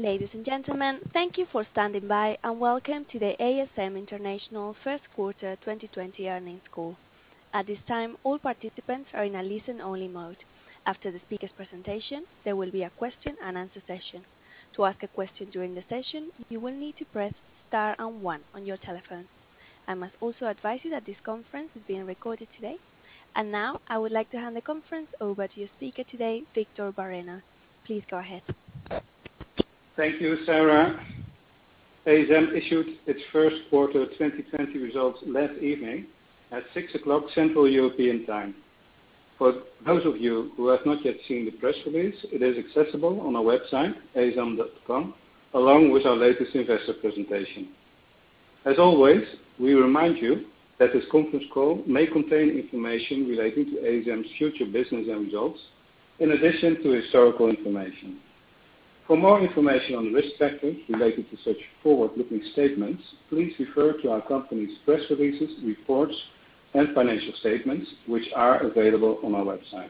Ladies and gentlemen, thank you for standing by, and welcome to the ASM International first quarter 2020 earnings call. At this time, all participants are in a listen-only mode. After the speakers' presentation, there will be a question and answer session. To ask a question during the session, you will need to press star and one on your telephone. I must also advise you that this conference is being recorded today. Now, I would like to hand the conference over to your speaker today, Victor Bareño. Please go ahead. Thank you, Sarah. ASM issued its first quarter 2020 results last evening at 6:00 P.M. Central European Time. For those of you who have not yet seen the press release, it is accessible on our website, asm.com, along with our latest investor presentation. As always, we remind you that this conference call may contain information relating to ASM's future business and results, in addition to historical information. For more information on risk factors relating to such forward-looking statements, please refer to our company's press releases, reports, and financial statements, which are available on our website.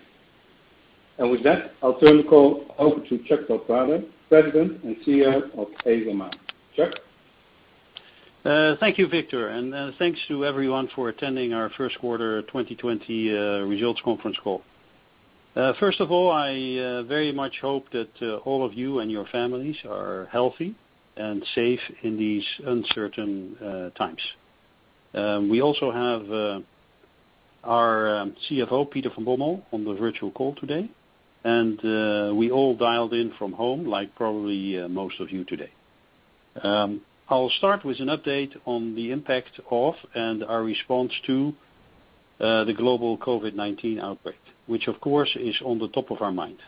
With that, I'll turn the call over to Chuck del Prado, President and CEO of ASMI. Chuck? Thank you, Victor. Thanks to everyone for attending our first quarter 2020 results conference call. First of all, I very much hope that all of you and your families are healthy and safe in these uncertain times. We also have our CFO, Peter van Bommel, on the virtual call today. We all dialed in from home, like probably most of you today. I'll start with an update on the impact of and our response to the global COVID-19 outbreak, which of course is on the top of our mind.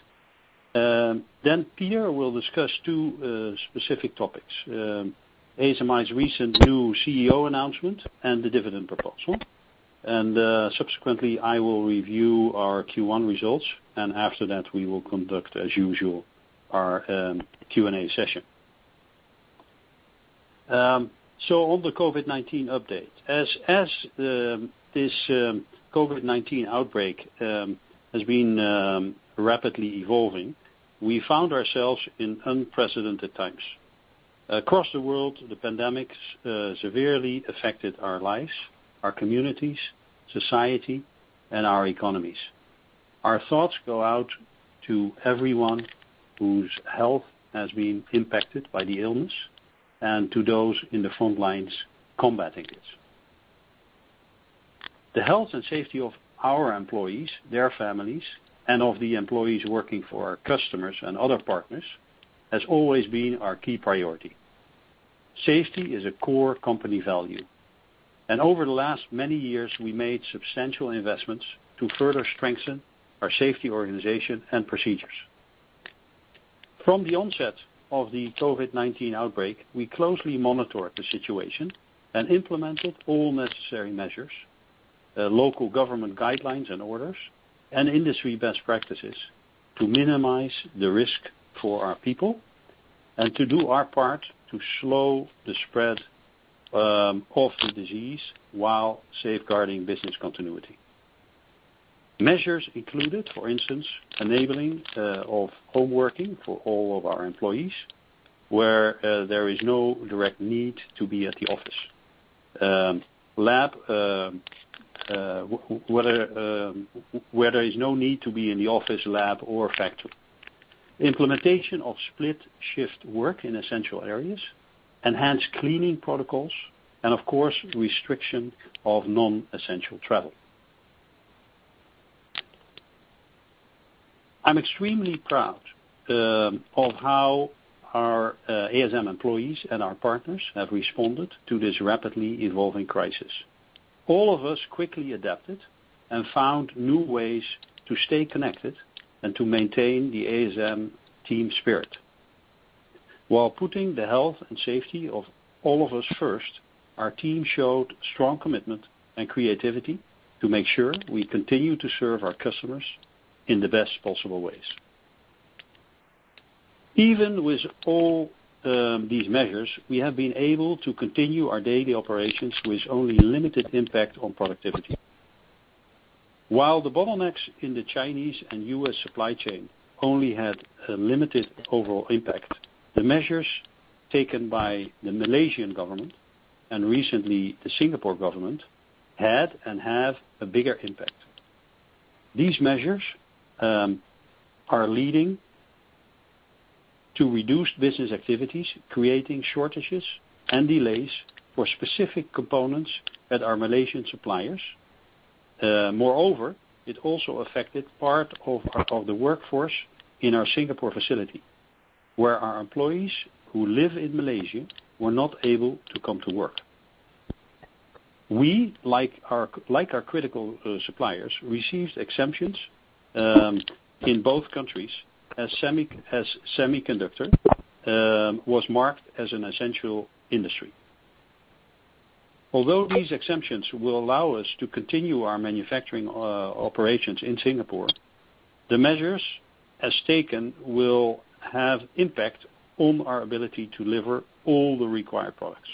Peter will discuss two specific topics, ASMI's recent new CEO announcement and the dividend proposal. Subsequently, I will review our Q1 results. After that, we will conduct, as usual, our Q&A session. On the COVID-19 update. As this COVID-19 outbreak has been rapidly evolving, we found ourselves in unprecedented times. Across the world, the pandemic severely affected our lives, our communities, society, and our economies. Our thoughts go out to everyone whose health has been impacted by the illness and to those in the front lines combating it. The health and safety of our employees, their families, and of the employees working for our customers and other partners has always been our key priority. Safety is a core company value, and over the last many years, we made substantial investments to further strengthen our safety organization and procedures. From the onset of the COVID-19 outbreak, we closely monitored the situation and implemented all necessary measures, local government guidelines and orders, and industry best practices to minimize the risk for our people and to do our part to slow the spread of the disease while safeguarding business continuity. Measures included, for instance, enabling of home working for all of our employees, where there is no direct need to be at the office, where there is no need to be in the office, lab, or factory, implementation of split-shift work in essential areas, enhanced cleaning protocols, and of course, restriction of non-essential travel. I'm extremely proud of how our ASM employees and our partners have responded to this rapidly evolving crisis. All of us quickly adapted and found new ways to stay connected and to maintain the ASM team spirit. While putting the health and safety of all of us first, our team showed strong commitment and creativity to make sure we continue to serve our customers in the best possible ways. Even with all these measures, we have been able to continue our daily operations with only limited impact on productivity. While the bottlenecks in the Chinese and U.S. supply chain only had a limited overall impact, the measures taken by the Malaysian government, and recently the Singapore government, had and have a bigger impact. These measures are leading to reduced business activities, creating shortages and delays for specific components at our Malaysian suppliers. Moreover, it also affected part of the workforce in our Singapore facility, where our employees who live in Malaysia were not able to come to work. We, like our critical suppliers, received exemptions in both countries as semiconductor was marked as an essential industry. Although these exemptions will allow us to continue our manufacturing operations in Singapore, the measures as taken will have impact on our ability to deliver all the required products.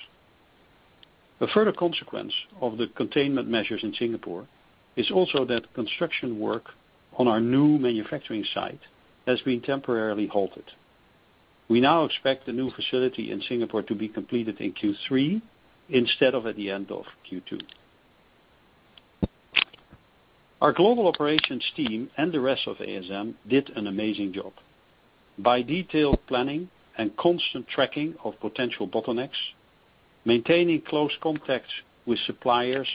A further consequence of the containment measures in Singapore is also that construction work on our new manufacturing site has been temporarily halted. We now expect the new facility in Singapore to be completed in Q3 instead of at the end of Q2. Our global operations team and the rest of ASM did an amazing job. By detailed planning and constant tracking of potential bottlenecks, maintaining close contact with suppliers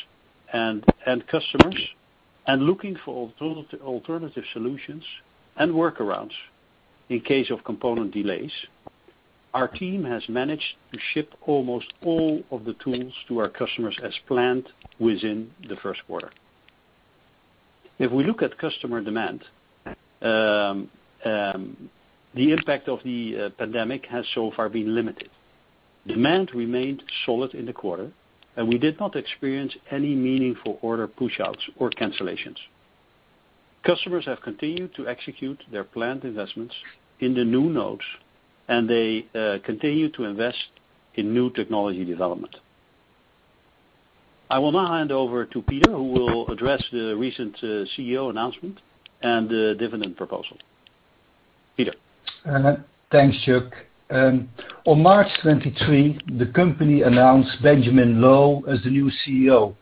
and end customers, and looking for alternative solutions and workarounds in case of component delays, our team has managed to ship almost all of the tools to our customers as planned within the first quarter. If we look at customer demand, the impact of the pandemic has so far been limited. Demand remained solid in the quarter, and we did not experience any meaningful order pushouts or cancellations. Customers have continued to execute their planned investments in the new nodes, and they continue to invest in new technology development. I will now hand over to Peter, who will address the recent CEO announcement and the dividend proposal. Peter? Thanks, Chuck. On March 23, the company announced Benjamin Loh as the new CEO.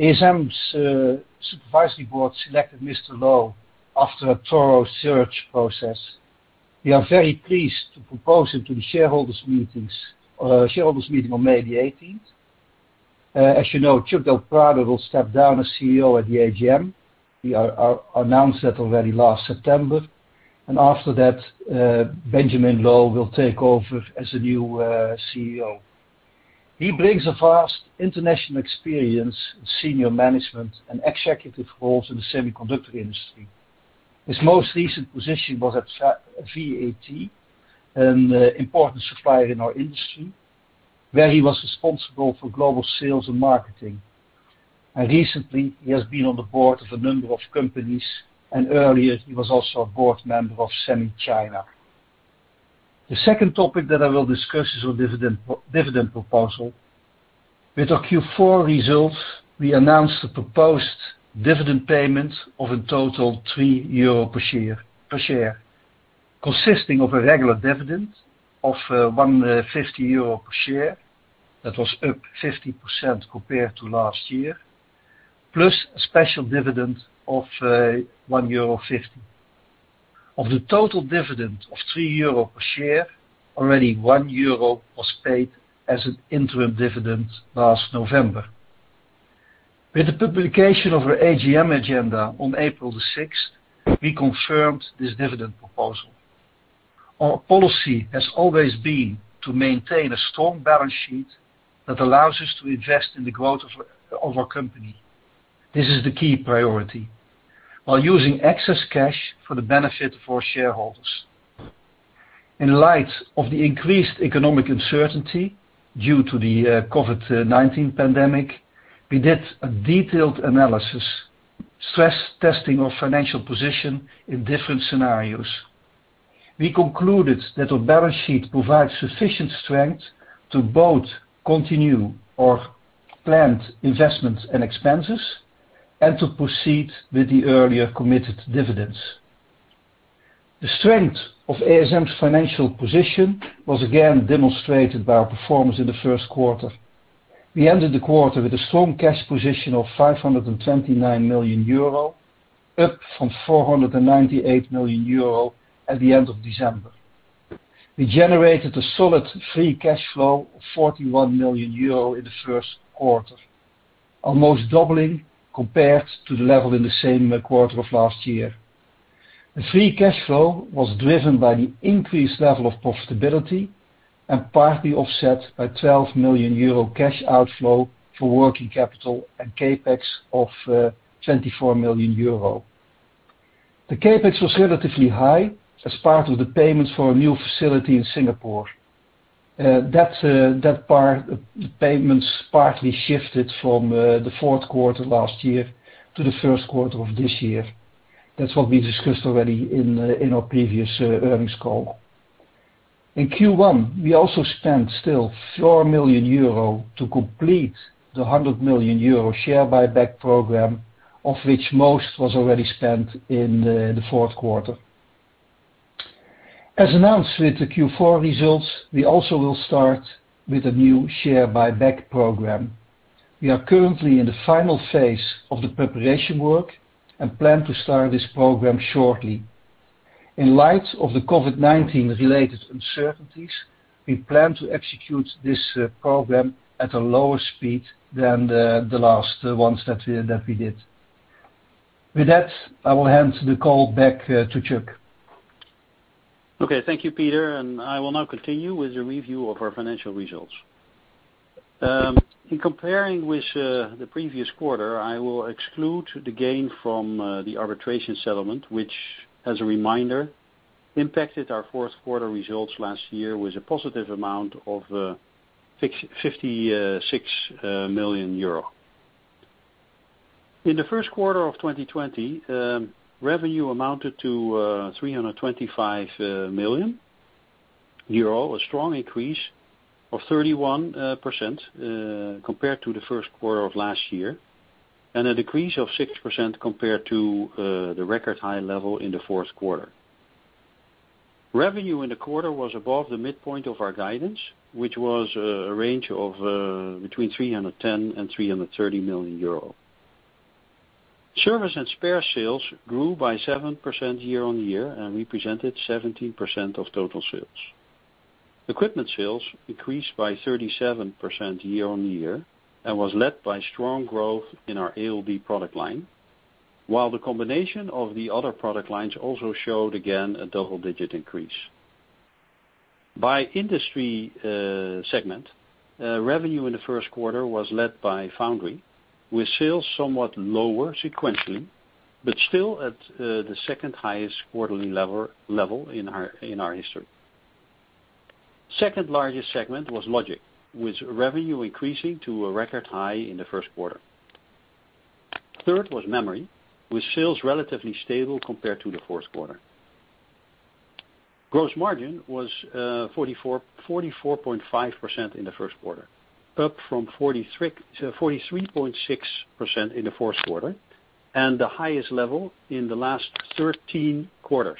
ASM's supervisory board selected Mr. Loh after a thorough search process. We are very pleased to propose him to the shareholders meeting on May 18th. As you know, Chuck del Prado will step down as CEO at the AGM. We announced that already last September. After that, Benjamin Loh will take over as the new CEO. He brings a vast international experience in senior management and executive roles in the semiconductor industry. His most recent position was at VAT, an important supplier in our industry, where he was responsible for global sales and marketing. Recently, he has been on the board of a number of companies, and earlier he was also a board member of SEMI China. The second topic that I will discuss is our dividend proposal. With our Q4 results, we announced a proposed dividend payment of a total of 3 euro per share, consisting of a regular dividend of 1.50 euro per share, that was up 50% compared to last year, plus a special dividend of 1.50 euro. Of the total dividend of 3 euro per share, already 1 euro was paid as an interim dividend last November. With the publication of our AGM agenda on April the 6th, we confirmed this dividend proposal. Our policy has always been to maintain a strong balance sheet that allows us to invest in the growth of our company. This is the key priority, while using excess cash for the benefit for shareholders. In light of the increased economic uncertainty due to the COVID-19 pandemic, we did a detailed analysis, stress-testing our financial position in different scenarios. We concluded that our balance sheet provides sufficient strength to both continue our planned investments and expenses and to proceed with the earlier committed dividends. The strength of ASM's financial position was again demonstrated by our performance in the first quarter. We ended the quarter with a strong cash position of 529 million euro, up from 498 million euro at the end of December. We generated a solid free cash flow of 41 million euro in the first quarter, almost doubling compared to the level in the same quarter of last year. The free cash flow was driven by the increased level of profitability and partly offset by 12 million euro cash outflow for working capital and CapEx of 24 million euro. The CapEx was relatively high as part of the payments for a new facility in Singapore. That part, the payments partly shifted from the fourth quarter last year to the first quarter of this year. That's what we discussed already in our previous earnings call. In Q1, we also spent still 4 million euro to complete the 100 million euro share buyback program, of which most was already spent in the fourth quarter. As announced with the Q4 results, we also will start with a new share buyback program. We are currently in the final phase of the preparation work and plan to start this program shortly. In light of the COVID-19-related uncertainties, we plan to execute this program at a lower speed than the last ones that we did. With that, I will hand the call back to Chuck. Okay. Thank you, Peter, I will now continue with the review of our financial results. In comparing with the previous quarter, I will exclude the gain from the arbitration settlement, which, as a reminder, impacted our fourth quarter results last year with a positive amount of 56 million euro. In the first quarter of 2020, revenue amounted to 325 million euro, a strong increase of 31% compared to the first quarter of last year, and a decrease of 6% compared to the record high level in the fourth quarter. Revenue in the quarter was above the midpoint of our guidance, which was a range of between 310 million and 330 million euro. Service and spare sales grew by 7% year-on-year and represented 17% of total sales. Equipment sales increased by 37% year-on-year and was led by strong growth in our ALD product line, while the combination of the other product lines also showed again a double-digit increase. By industry segment, revenue in the first quarter was led by foundry, with sales somewhat lower sequentially, but still at the second-highest quarterly level in our history. Second largest segment was Logic, with revenue increasing to a record high in the first quarter. Third was Memory, with sales relatively stable compared to the fourth quarter. Gross margin was 44.5% in the first quarter, up from 43.6% in the fourth quarter, and the highest level in the last 13 quarters.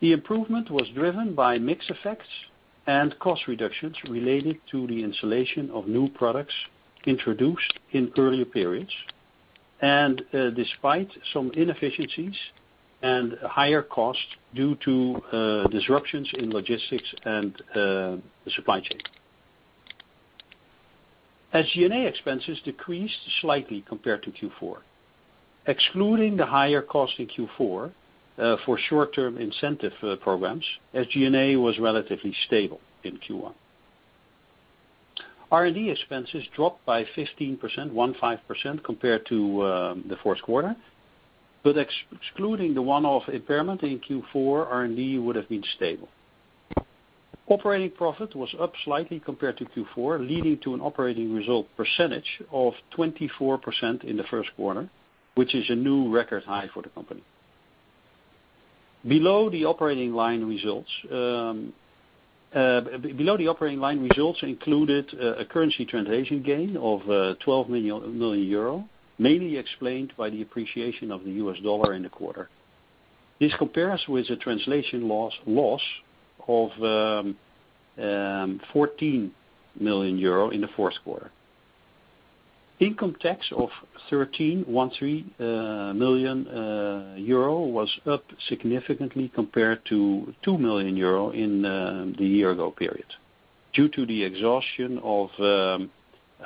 The improvement was driven by mix effects and cost reductions related to the installation of new products introduced in earlier periods, and despite some inefficiencies and higher costs due to disruptions in logistics and the supply chain. SG&A expenses decreased slightly compared to Q4. Excluding the higher cost in Q4 for short-term incentive programs, SG&A was relatively stable in Q1. R&D expenses dropped by 15% compared to the fourth quarter, but excluding the one-off impairment in Q4, R&D would have been stable. Operating profit was up slightly compared to Q4, leading to an operating result percentage of 24% in the first quarter, which is a new record high for the company. Below the operating line results included a currency translation gain of 12 million euro, mainly explained by the appreciation of the US dollar in the quarter. This compares with the translation loss of 14 million euro in the fourth quarter. Income tax of 13 million euro was up significantly compared to 2 million euro in the year-ago period, due to the exhaustion of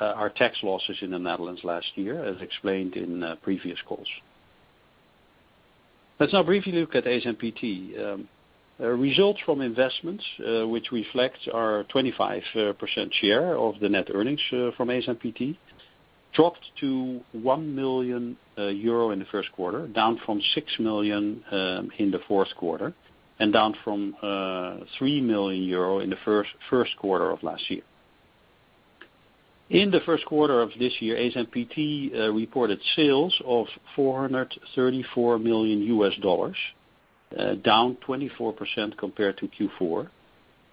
our tax losses in the Netherlands last year as explained in previous calls. Let's now briefly look at ASMPT. Results from investments, which reflect our 25% share of the net earnings from ASMPT, dropped to 1 million euro in the first quarter, down from 6 million in the fourth quarter, and down from 3 million euro in the first quarter of last year. In the first quarter of this year, ASMPT reported sales of $434 million, down 24% compared to Q4,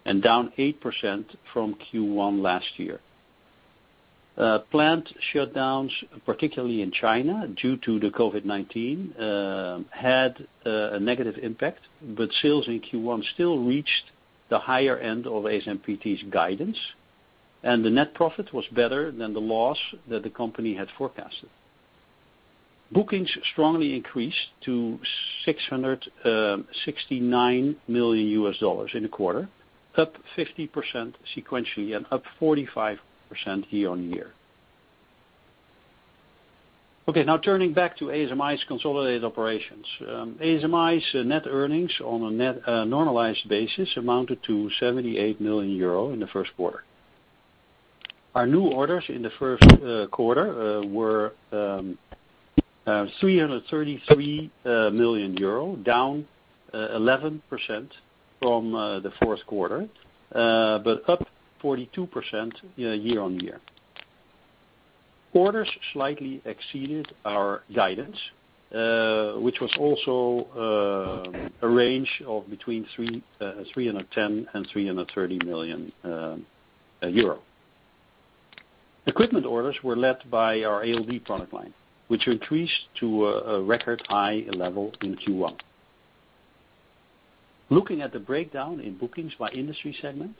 and down 8% from Q1 last year. Plant shutdowns, particularly in China, due to the COVID-19, had a negative impact, but sales in Q1 still reached the higher end of ASMPT's guidance, and the net profit was better than the loss that the company had forecasted. Bookings strongly increased to $669 million in the quarter, up 50% sequentially and up 45% year-on-year. Okay. Now turning back to ASMI's consolidated operations. ASMI's net earnings on a net normalized basis amounted to 78 million euro in the first quarter. Our new orders in the first quarter were 333 million euro, down 11% from the fourth quarter, but up 42% year-on-year. Orders slightly exceeded our guidance, which was also a range of between 310 million euro and 330 million euro. Equipment orders were led by our ALD product line, which increased to a record-high level in Q1. Looking at the breakdown in bookings by industry segment,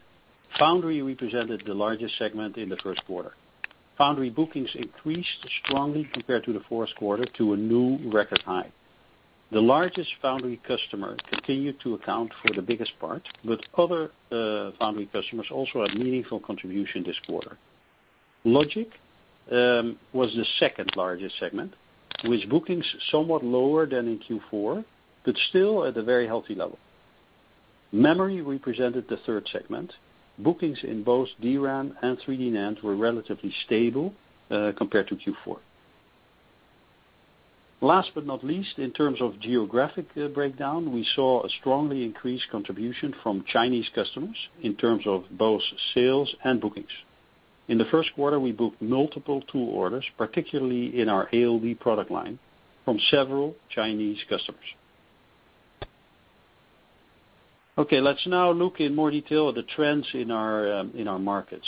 foundry represented the largest segment in the first quarter. Foundry bookings increased strongly compared to the fourth quarter to a new record high. The largest foundry customer continued to account for the biggest part, but other foundry customers also had meaningful contribution this quarter. Logic was the second-largest segment, with bookings somewhat lower than in Q4, but still at a very healthy level. Memory represented the third segment. Bookings in both DRAM and 3D NAND were relatively stable compared to Q4. Last but not least, in terms of geographic breakdown, we saw a strongly increased contribution from Chinese customers in terms of both sales and bookings. In the first quarter, we booked multiple tool orders, particularly in our ALD product line, from several Chinese customers. Okay, let's now look in more detail at the trends in our markets.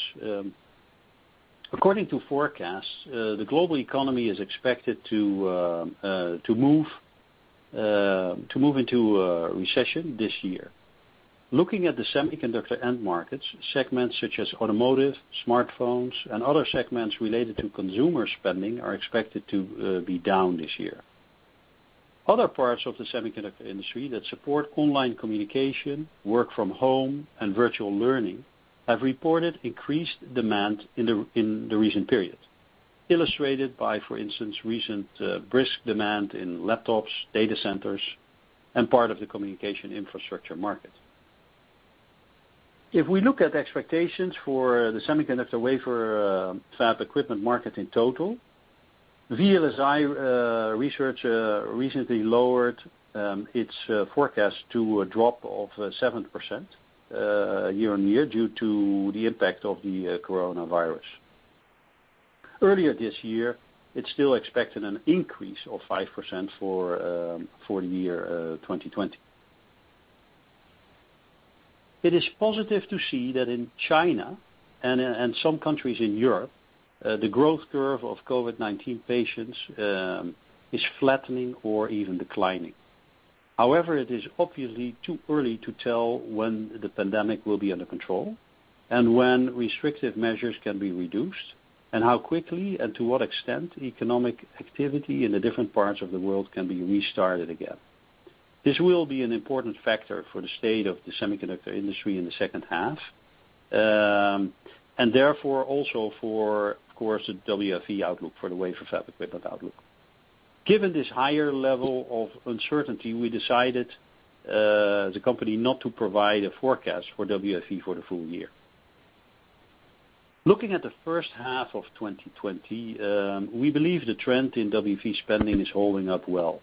According to forecasts, the global economy is expected to move into a recession this year. Looking at the semiconductor end markets, segments such as automotive, smartphones, and other segments related to consumer spending are expected to be down this year. Other parts of the semiconductor industry that support online communication, work from home, and virtual learning have reported increased demand in the recent period, illustrated by, for instance, recent brisk demand in laptops, data centers, and part of the communication infrastructure market. If we look at expectations for the semiconductor wafer fab equipment market in total, VLSI Research recently lowered its forecast to a drop of 7% year-on-year due to the impact of the COVID-19. Earlier this year, it still expected an increase of 5% for the year 2020. It is positive to see that in China and some countries in Europe, the growth curve of COVID-19 patients is flattening or even declining. It is obviously too early to tell when the pandemic will be under control and when restrictive measures can be reduced, and how quickly and to what extent economic activity in the different parts of the world can be restarted again. This will be an important factor for the state of the semiconductor industry in the second half, and therefore also for, of course, the WFE outlook for the wafer fab equipment outlook. Given this higher level of uncertainty, we decided, as a company, not to provide a forecast for WFE for the full year. Looking at the first half of 2020, we believe the trend in WFE spending is holding up well.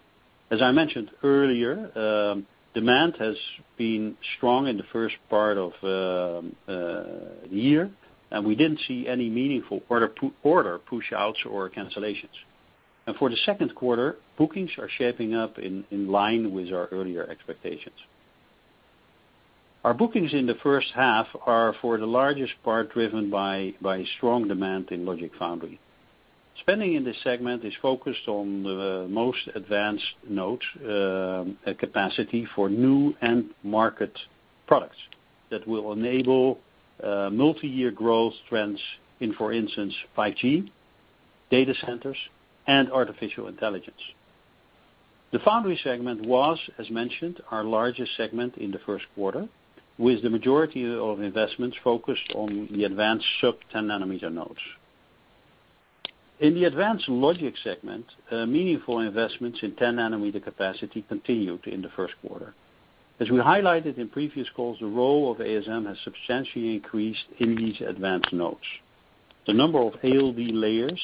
As I mentioned earlier, demand has been strong in the first part of the year, we didn't see any meaningful order push-outs or cancellations. For the second quarter, bookings are shaping up in line with our earlier expectations. Our bookings in the first half are, for the largest part, driven by strong demand in logic and foundry. Spending in this segment is focused on the most advanced node capacity for new end-market products that will enable multi-year growth trends in, for instance, 5G, data centers, and artificial intelligence. The foundry segment was, as mentioned, our largest segment in the first quarter, with the majority of investments focused on the advanced sub-10 nm nodes. In the advanced Logic segment, meaningful investments in 10 nm capacity continued in the first quarter. As we highlighted in previous calls, the role of ASM has substantially increased in these advanced nodes. The number of ALD layers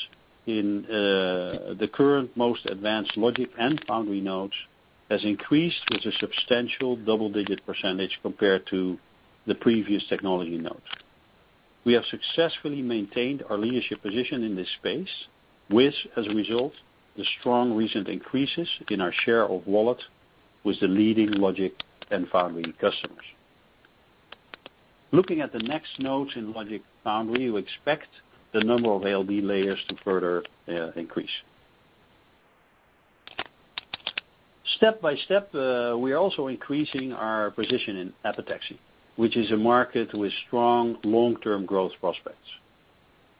in the current most advanced logic and foundry nodes has increased with a substantial double-digit percentage compared to the previous technology nodes. We have successfully maintained our leadership position in this space, with, as a result, the strong recent increases in our share of wallet with the leading logic and foundry customers. Looking at the next nodes in logic/foundry, we expect the number of ALD layers to further increase. Step by step, we are also increasing our position in epitaxy, which is a market with strong long-term growth prospects.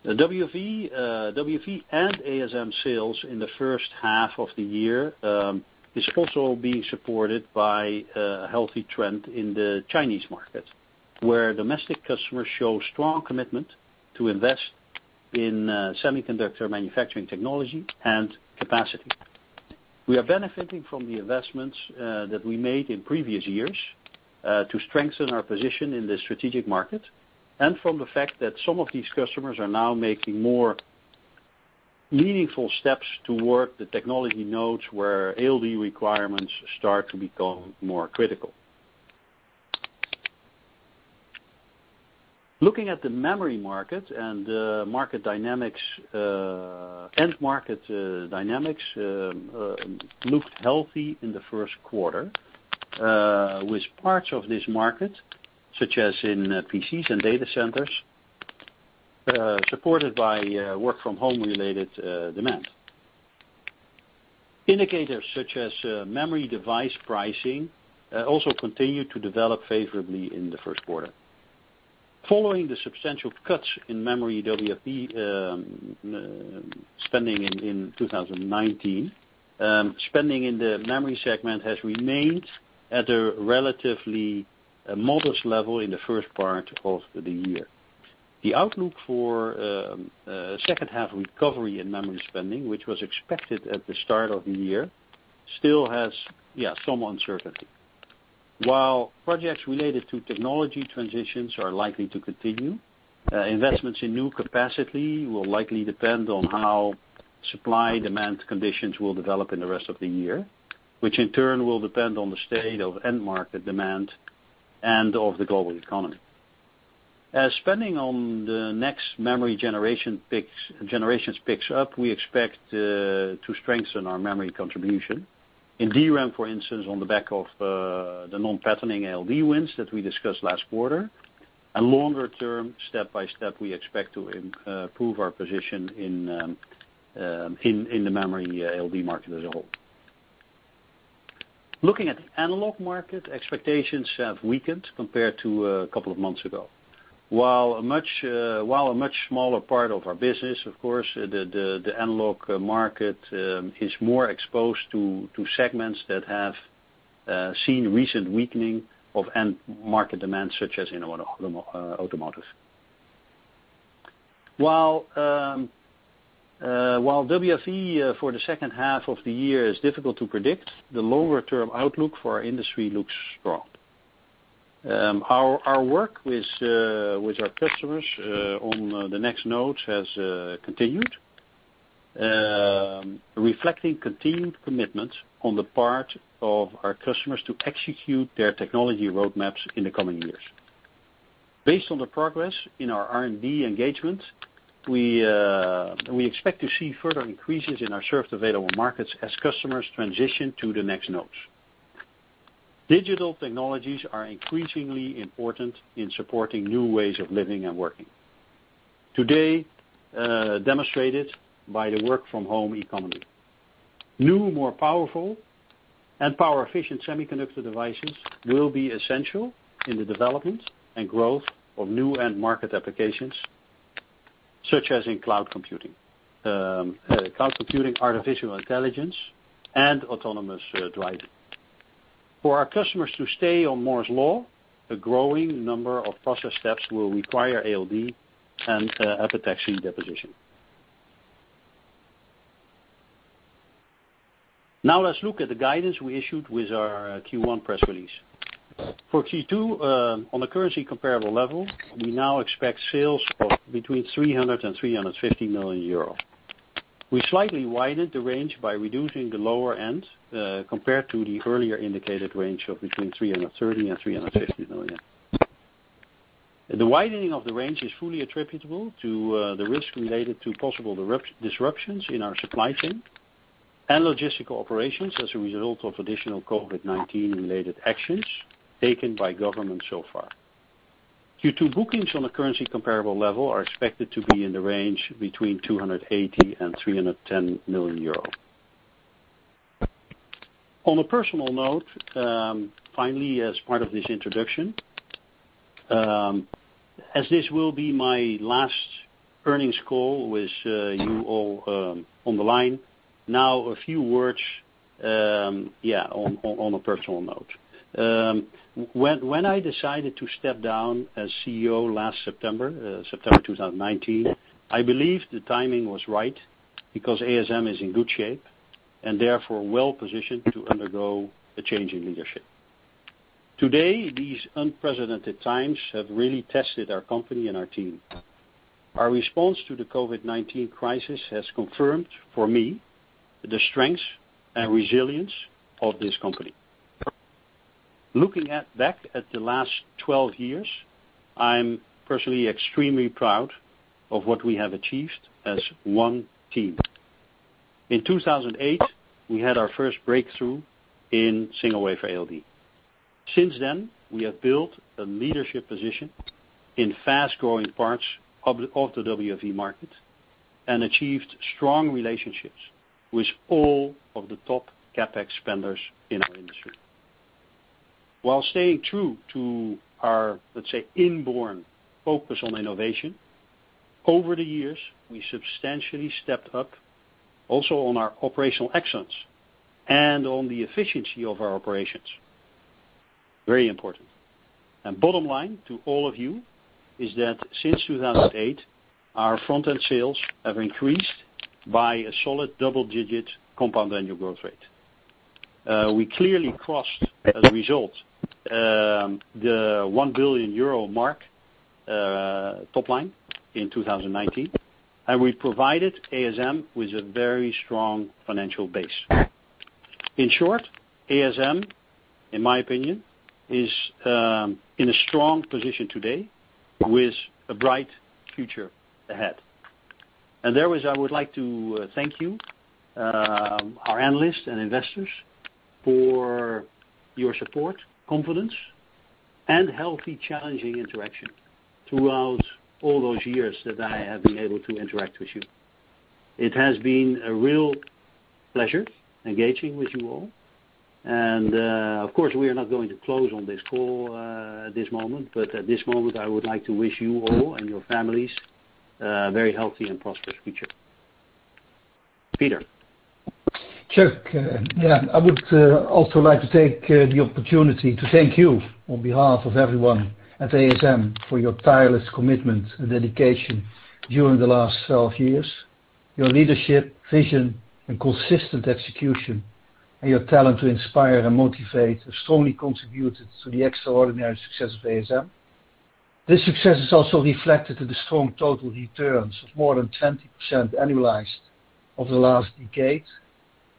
WFE and ASM sales in the first half of the year is also being supported by a healthy trend in the Chinese market, where domestic customers show strong commitment to invest in semiconductor manufacturing technology and capacity. We are benefiting from the investments that we made in previous years to strengthen our position in this strategic market and from the fact that some of these customers are now making more meaningful steps toward the technology nodes where ALD requirements start to become more critical. Looking at the memory market and the end market dynamics, looked healthy in the first quarter, with parts of this market, such as in PCs and data centers, supported by work-from-home related demand. Indicators such as memory device pricing also continued to develop favorably in the first quarter. Following the substantial cuts in memory WFE spending in 2019, spending in the memory segment has remained at a relatively modest level in the first part of the year. The outlook for second-half recovery in memory spending, which was expected at the start of the year, still has some uncertainty. While projects related to technology transitions are likely to continue, investments in new capacity will likely depend on how supply-demand conditions will develop in the rest of the year, which in turn will depend on the state of end market demand and of the global economy. As spending on the next memory generations picks up, we expect to strengthen our memory contribution. In DRAM, for instance, on the back of the non-patterning ALD wins that we discussed last quarter, and longer term, step by step, we expect to improve our position in the memory ALD market as a whole. Looking at the analog market, expectations have weakened compared to a couple of months ago. While a much smaller part of our business, of course, the analog market is more exposed to segments that have seen recent weakening of end market demand, such as in automotive. While WFE for the second half of the year is difficult to predict, the longer-term outlook for our industry looks strong. Our work with our customers on the next nodes has continued, reflecting continued commitment on the part of our customers to execute their technology roadmaps in the coming years. Based on the progress in our R&D engagement, we expect to see further increases in our Served Available Markets as customers transition to the next nodes. Digital technologies are increasingly important in supporting new ways of living and working, today demonstrated by the work-from-home economy. New, more powerful, and power-efficient semiconductor devices will be essential in the development and growth of new end market applications, such as in cloud computing, artificial intelligence, and autonomous driving. For our customers to stay on Moore's Law, a growing number of process steps will require ALD and epitaxy deposition. Now let's look at the guidance we issued with our Q1 press release. For Q2, on a currency comparable level, we now expect sales of between 300 million euro and 350 million euro. We slightly widened the range by reducing the lower end, compared to the earlier indicated range of between 330 million and 350 million. The widening of the range is fully attributable to the risk related to possible disruptions in our supply chain and logistical operations as a result of additional COVID-19-related actions taken by government so far. Q2 bookings on a currency comparable level are expected to be in the range between 280 million and 310 million euro. On a personal note, finally, as part of this introduction, as this will be my last earnings call with you all on the line, now, a few words on a personal note. When I decided to step down as CEO last September 2019, I believed the timing was right because ASM is in good shape, and therefore well-positioned to undergo a change in leadership. Today, these unprecedented times have really tested our company and our team. Our response to the COVID-19 crisis has confirmed, for me, the strength and resilience of this company. Looking back at the last 12 years, I'm personally extremely proud of what we have achieved as one team. In 2008, we had our first breakthrough in single-wafer ALD. Since then, we have built a leadership position in fast-growing parts of the WFE market and achieved strong relationships with all of the top CapEx spenders in our industry. While staying true to our, let's say, inborn focus on innovation, over the years, we substantially stepped up also on our operational excellence and on the efficiency of our operations. Very important. Bottom line to all of you is that since 2008, our front-end sales have increased by a solid double-digit compound annual growth rate. We clearly crossed, as a result, the 1 billion euro mark top line in 2019, and we provided ASM with a very strong financial base. In short, ASM, in my opinion, is in a strong position today with a bright future ahead. There, I would like to thank you, our analysts and investors, for your support, confidence, and healthy, challenging interaction throughout all those years that I have been able to interact with you. It has been a real pleasure engaging with you all. Of course, we are not going to close on this call at this moment, but at this moment, I would like to wish you all and your families a very healthy and prosperous future. Peter? Chuck, yeah, I would also like to take the opportunity to thank you on behalf of everyone at ASM for your tireless commitment and dedication during the last 12 years. Your leadership, vision, and consistent execution, and your talent to inspire and motivate have strongly contributed to the extraordinary success of ASM. This success is also reflected in the strong total returns of more than 20% annualized over the last decade,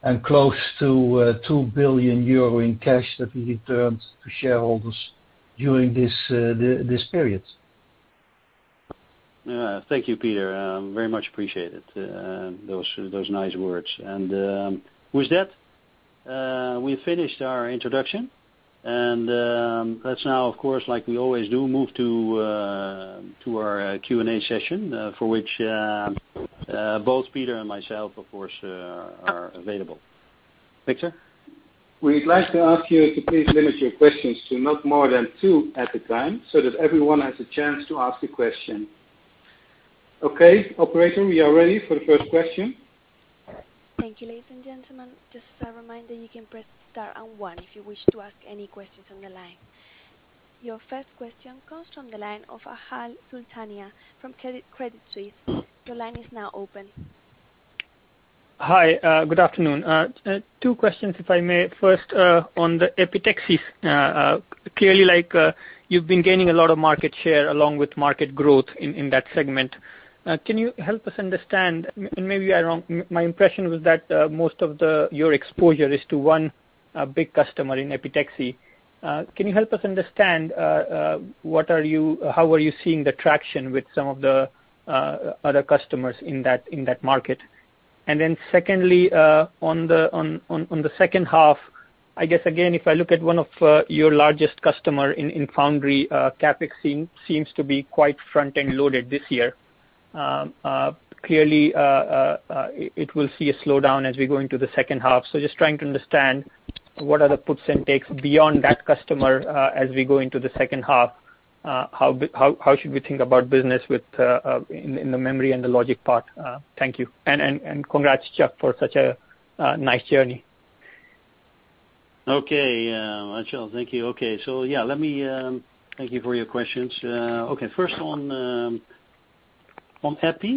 and close to 2 billion euro in cash that we returned to shareholders during this period. Thank you, Peter. Very much appreciate it, those nice words. With that, we've finished our introduction. Let's now, of course, like we always do, move to our Q&A session, for which both Peter and myself, of course, are available. Victor? We'd like to ask you to please limit your questions to not more than two at a time, so that everyone has a chance to ask a question. Operator, we are ready for the first question. Thank you, ladies and gentlemen. Just as a reminder, you can press star and one if you wish to ask any questions on the line. Your first question comes from the line of Achal Sultania from Credit Suisse. Your line is now open. Hi, good afternoon. Two questions, if I may. First, on the epitaxy. Clearly, you've been gaining a lot of market share along with market growth in that segment. Can you help us understand, and maybe I'm wrong, my impression was that most of your exposure is to one big customer in epitaxy. Can you help us understand how are you seeing the traction with some of the other customers in that market? Then secondly, on the second half, I guess again, if I look at one of your largest customer in foundry, CapEx seems to be quite front-end loaded this year. Clearly, it will see a slowdown as we go into the second half. Just trying to understand what are the puts and takes beyond that customer as we go into the second half, how should we think about business in the memory and the logic part? Thank you. Congrats, Chuck, for such a nice journey. Okay. Achal, thank you. Thank you for your questions. First on EPI.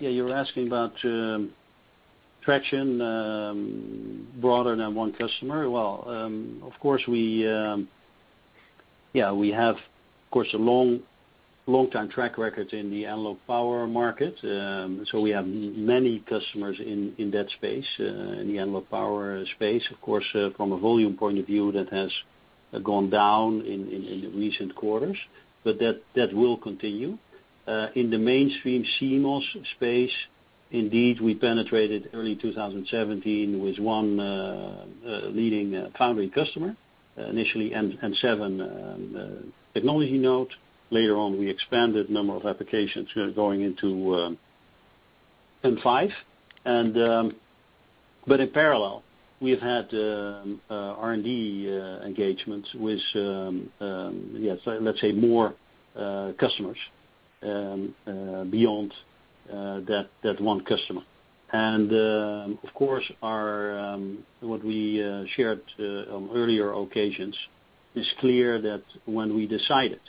You're asking about traction broader than one customer. We have, of course, a long time track record in the analog power market. We have many customers in that space, in the analog power space. Of course, from a volume point of view, that has gone down in the recent quarters, but that will continue. In the mainstream CMOS space, indeed, we penetrated early 2017 with one leading foundry customer, initially N7 technology node. Later on, we expanded number of applications going into N5. In parallel, we've had R&D engagements with, let's say, more customers beyond that one customer. Of course, what we shared on earlier occasions, it's clear that when we decided,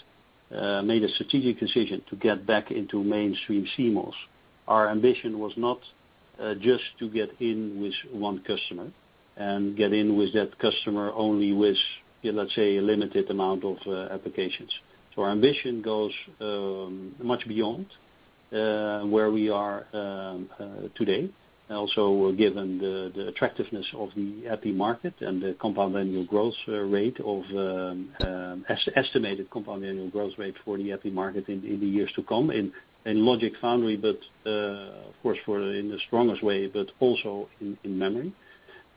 made a strategic decision to get back into mainstream CMOS, our ambition was not just to get in with one customer and get in with that customer only with, let's say, a limited amount of applications. Our ambition goes much beyond where we are today. Given the attractiveness of the EPI market and the estimated compound annual growth rate for the EPI market in the years to come in logic/foundry, but of course in the strongest way, but also in Memory.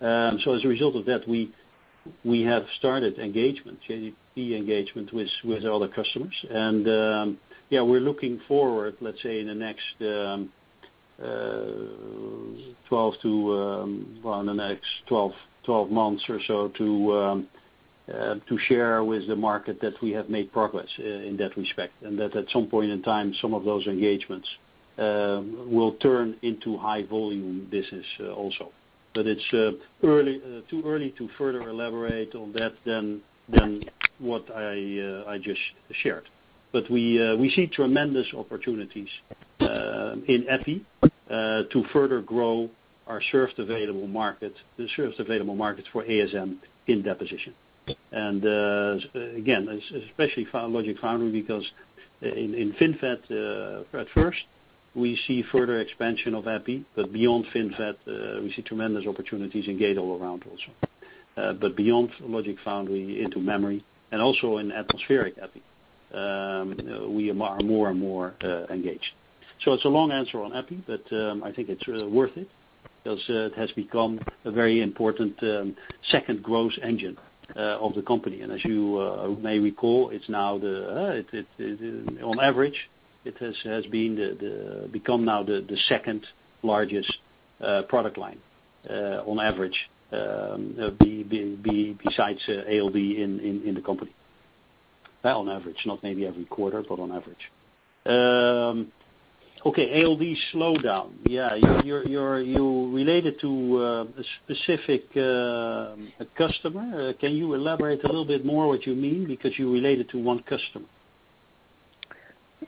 As a result of that, we have started engagement, EPI engagement with other customers. We're looking forward, let's say in the next 12 months or so, to share with the market that we have made progress in that respect, and that at some point in time, some of those engagements will turn into high volume business also. It's too early to further elaborate on that than what I just shared. We see tremendous opportunities in EPI, to further grow our Served Available Market, the Served Available Markets for ASM in deposition. Again, especially logic/foundry, because in FinFET, at first, we see further expansion of EPI, but beyond FinFET, we see tremendous opportunities in gate-all-around also. Beyond logic/foundry into memory and also in atmospheric EPI, we are more and more engaged. It's a long answer on EPI, but I think it's worth it because it has become a very important second growth engine of the company. As you may recall, on average, it has become now the second-largest product line on average, besides ALD in the company. On average, not maybe every quarter, but on average. ALD slowdown. You relate it to a specific customer. Can you elaborate a little bit more what you mean? You relate it to one customer.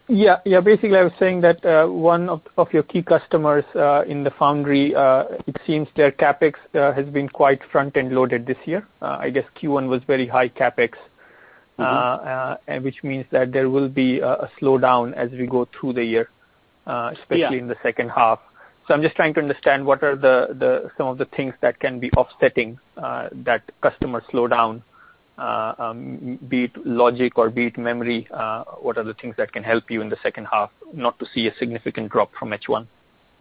Yeah. Basically, I was saying that one of your key customers in the foundry, it seems their CapEx has been quite front-end loaded this year. I guess Q1 was very high CapEx. Which means that there will be a slowdown as we go through the year. Yeah. Especially in the second half. I'm just trying to understand what are some of the things that can be offsetting that customer slowdown, be it Logic or be it Memory, what are the things that can help you in the second half not to see a significant drop from H1?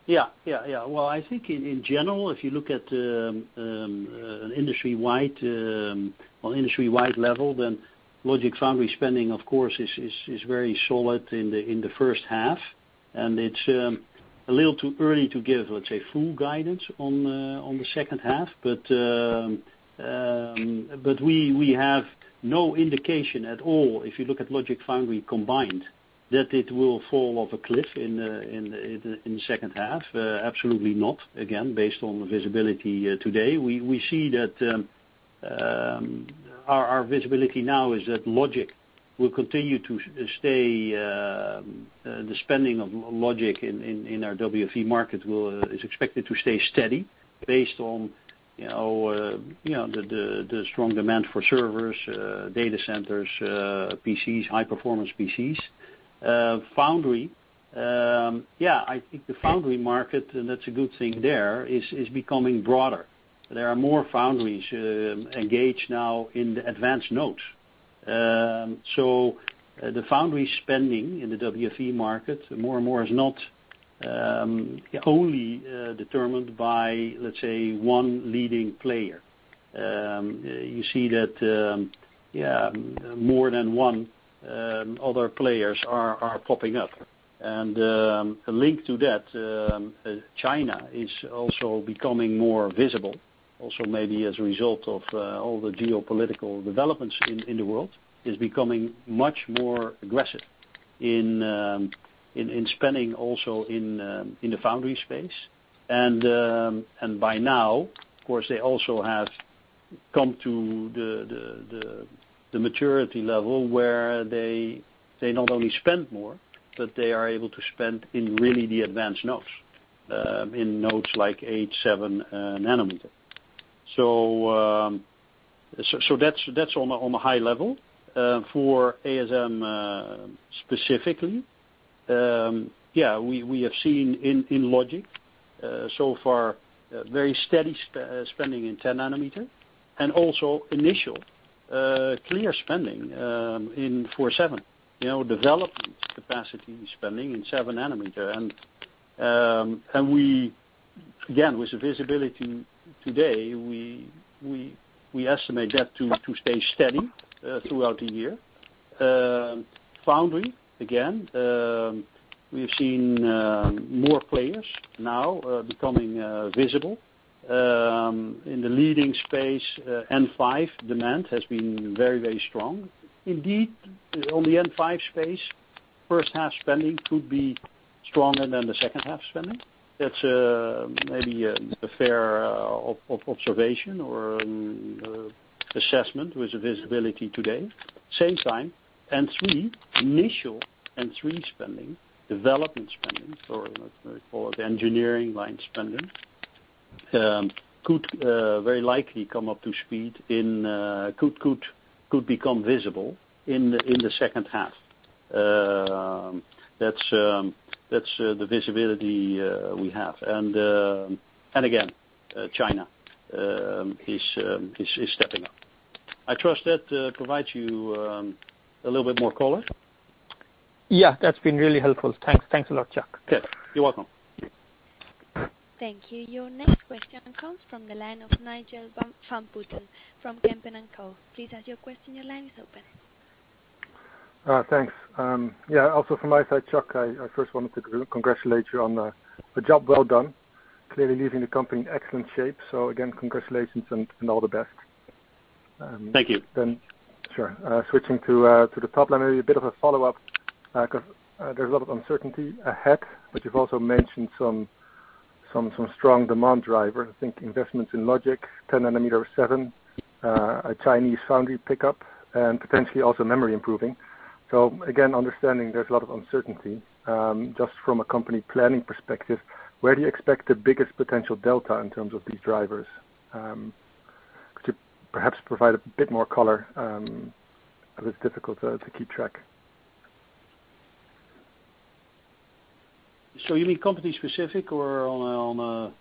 Well, I think in general, if you look at an industry-wide level, logic/foundry spending, of course, is very solid in the first half, and it's a little too early to give, let's say, full guidance on the second half. We have no indication at all, if you look at logic/foundry combined, that it will fall off a cliff in the second half. Absolutely not. Again, based on the visibility today. We see that our visibility now is that the spending of logic in our WFE market is expected to stay steady based on the strong demand for servers, data centers, PCs, high-performance PCs. Foundry. I think the foundry market, and that's a good thing there, is becoming broader. There are more foundries engaged now in the advanced nodes. The foundry spending in the WFE market more and more is not only determined by, let's say, one leading player. You see that, yeah, more than one other players are popping up. Linked to that, China is also becoming more visible, also maybe as a result of all the geopolitical developments in the world, is becoming much more aggressive in spending also in the foundry space. By now, of course, they also have come to the maturity level where they not only spend more, but they are able to spend in really the advanced nodes, in nodes like 8 nm, 7 nm. That's on a high level. For ASM specifically, yeah, we have seen in logic so far very steady spending in 10 nm and also initial clear spending in 7 nm, development capacity spending in 7 nm. We, again, with the visibility today, we estimate that to stay steady throughout the year. Foundry, again, we've seen more players now becoming visible. In the leading space, N5 demand has been very strong. Indeed, on the N5 space, first half spending could be stronger than the second half spending. That's maybe a fair observation or assessment with visibility today. Same time, N3, initial N3 spending, development spending, so let's call it engineering line spending, could very likely come up to speed and could become visible in the second half. That's the visibility we have. Again, China is stepping up. I trust that provides you a little bit more color. Yeah. That's been really helpful. Thanks a lot, Chuck. Yes. You're welcome. Thank you. Your next question comes from the line of Nigel van Putten from Kempen & Co. Please ask your question. Your line is open. Thanks. Yeah, also from my side, Chuck, I first wanted to congratulate you on a job well done. Clearly leaving the company in excellent shape. Again, congratulations and all the best. Thank you. Sure. Switching to the top line, maybe a bit of a follow-up, because there is a lot of uncertainty ahead, but you have also mentioned some strong demand drivers. I think investments in logic, 10 nm, 7 nm, a Chinese foundry pickup, and potentially also memory improving. Again, understanding there is a lot of uncertainty, just from a company planning perspective, where do you expect the biggest potential delta in terms of these drivers? Could you perhaps provide a bit more color? It is a bit difficult to keep track. You mean company-specific? Company-specific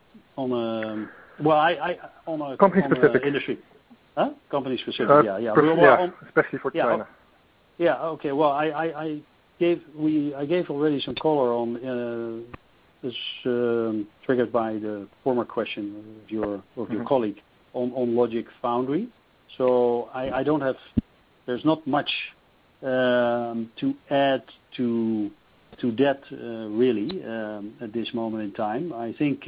industry Huh? Company specific? Yeah. Yeah. Especially for China. Yeah. Okay. Well, I gave already some color on this, triggered by the former question of your colleague, on logic/foundry. There's not much to add to that really, at this moment in time. I think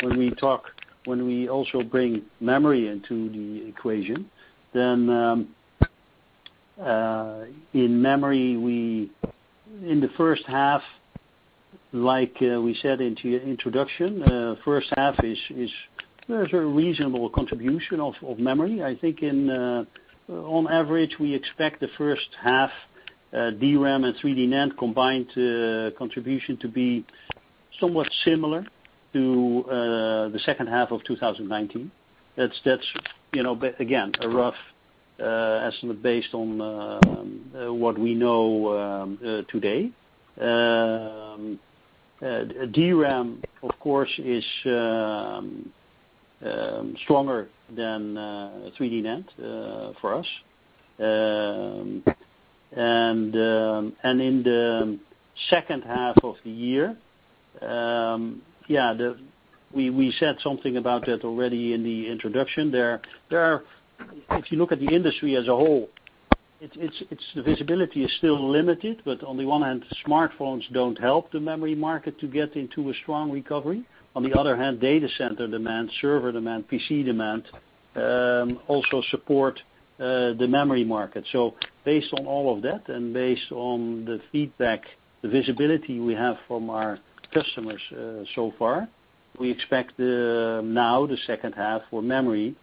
when we also bring memory into the equation, then in memory, in the first half, like we said in the introduction, first half is a reasonable contribution of memory. I think on average, we expect the first half DRAM and 3D NAND combined contribution to be somewhat similar to the second half of 2019. That's, again, a rough estimate based on what we know today. DRAM, of course, is stronger than 3D NAND for us. In the second half of the year, we said something about that already in the introduction. If you look at the industry as a whole, the visibility is still limited. On the one hand, smartphones don't help the memory market to get into a strong recovery. On the other hand, data center demand, server demand, PC demand, also support the memory market. Based on all of that and based on the feedback, the visibility we have from our customers so far, we expect now the second half for memory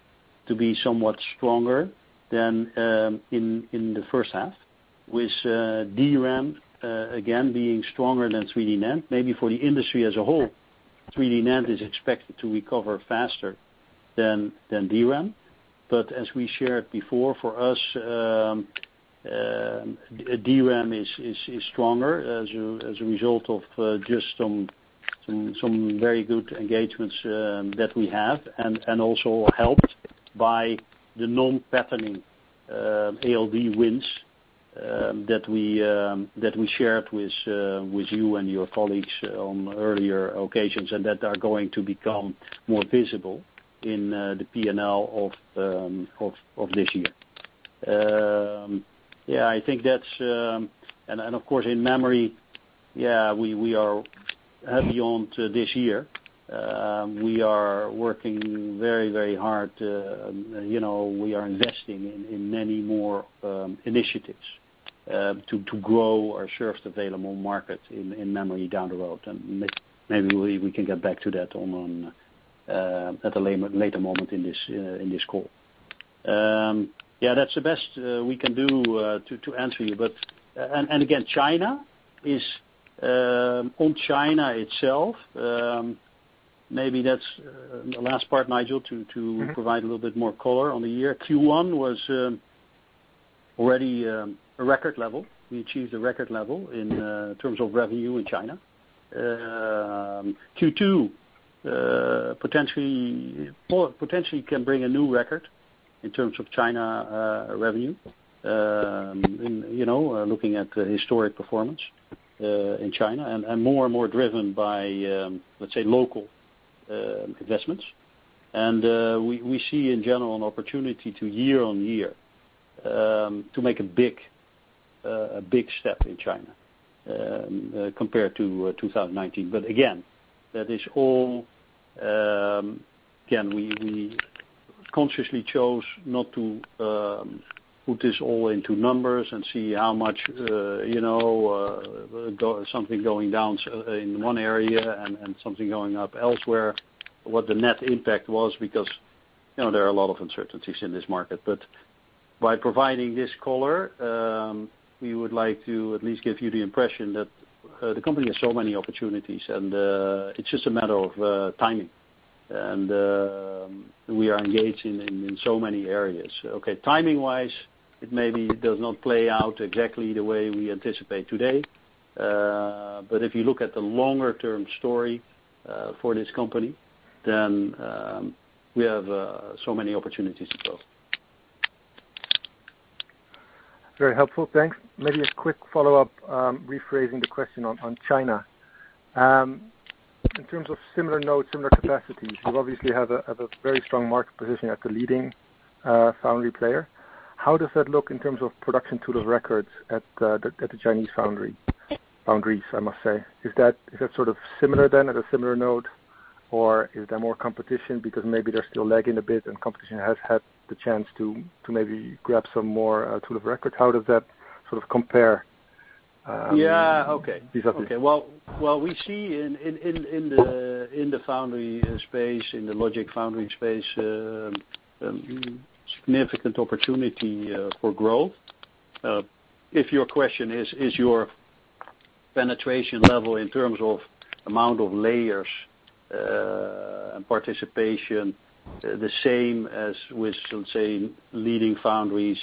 to be somewhat stronger than in the first half, with DRAM, again, being stronger than 3D NAND. Maybe for the industry as a whole, 3D NAND is expected to recover faster than DRAM. As we shared before, for us, DRAM is stronger as a result of just some very good engagements that we have and also helped by the non-patterning ALD wins, that we shared with you and your colleagues on earlier occasions and that are going to become more visible in the P&L of this year. Of course, in memory, we are heavy on to this year. We are working very hard. We are investing in many more initiatives, to grow our share of Served Available Market in memory down the road. Maybe we can get back to that at a later moment in this call. That's the best we can do to answer you. Again, on China itself, maybe that's the last part, Nigel, to provide a little bit more color on the year. Q1 was already a record level. We achieved a record level in terms of revenue in China. Q2 potentially can bring a new record in terms of China revenue, looking at the historic performance in China and more and more driven by, let's say, local investments. We see in general an opportunity to year-on-year, to make a big step in China compared to 2019. Again, we consciously chose not to put this all into numbers and see how much something going down in one area and something going up elsewhere, what the net impact was, because there are a lot of uncertainties in this market. By providing this color, we would like to at least give you the impression that the company has so many opportunities, and it's just a matter of timing. We are engaged in so many areas. Okay, timing-wise, it maybe does not play out exactly the way we anticipate today. If you look at the longer-term story for this company, then we have so many opportunities to grow. Very helpful. Thanks. Maybe a quick follow-up, rephrasing the question on China. In terms of similar nodes, similar capacities, you obviously have a very strong market position as the leading foundry player. How does that look in terms of production tool of record at the Chinese foundries? Is that sort of similar then at a similar node, or is there more competition because maybe they're still lagging a bit and competition has had the chance to maybe grab some more tool of record? Yeah. Okay. These aspects? Okay. Well, we see in the logic/foundry space, significant opportunity for growth. If your question is your penetration level in terms of amount of layers, and participation the same as with, let's say, leading foundries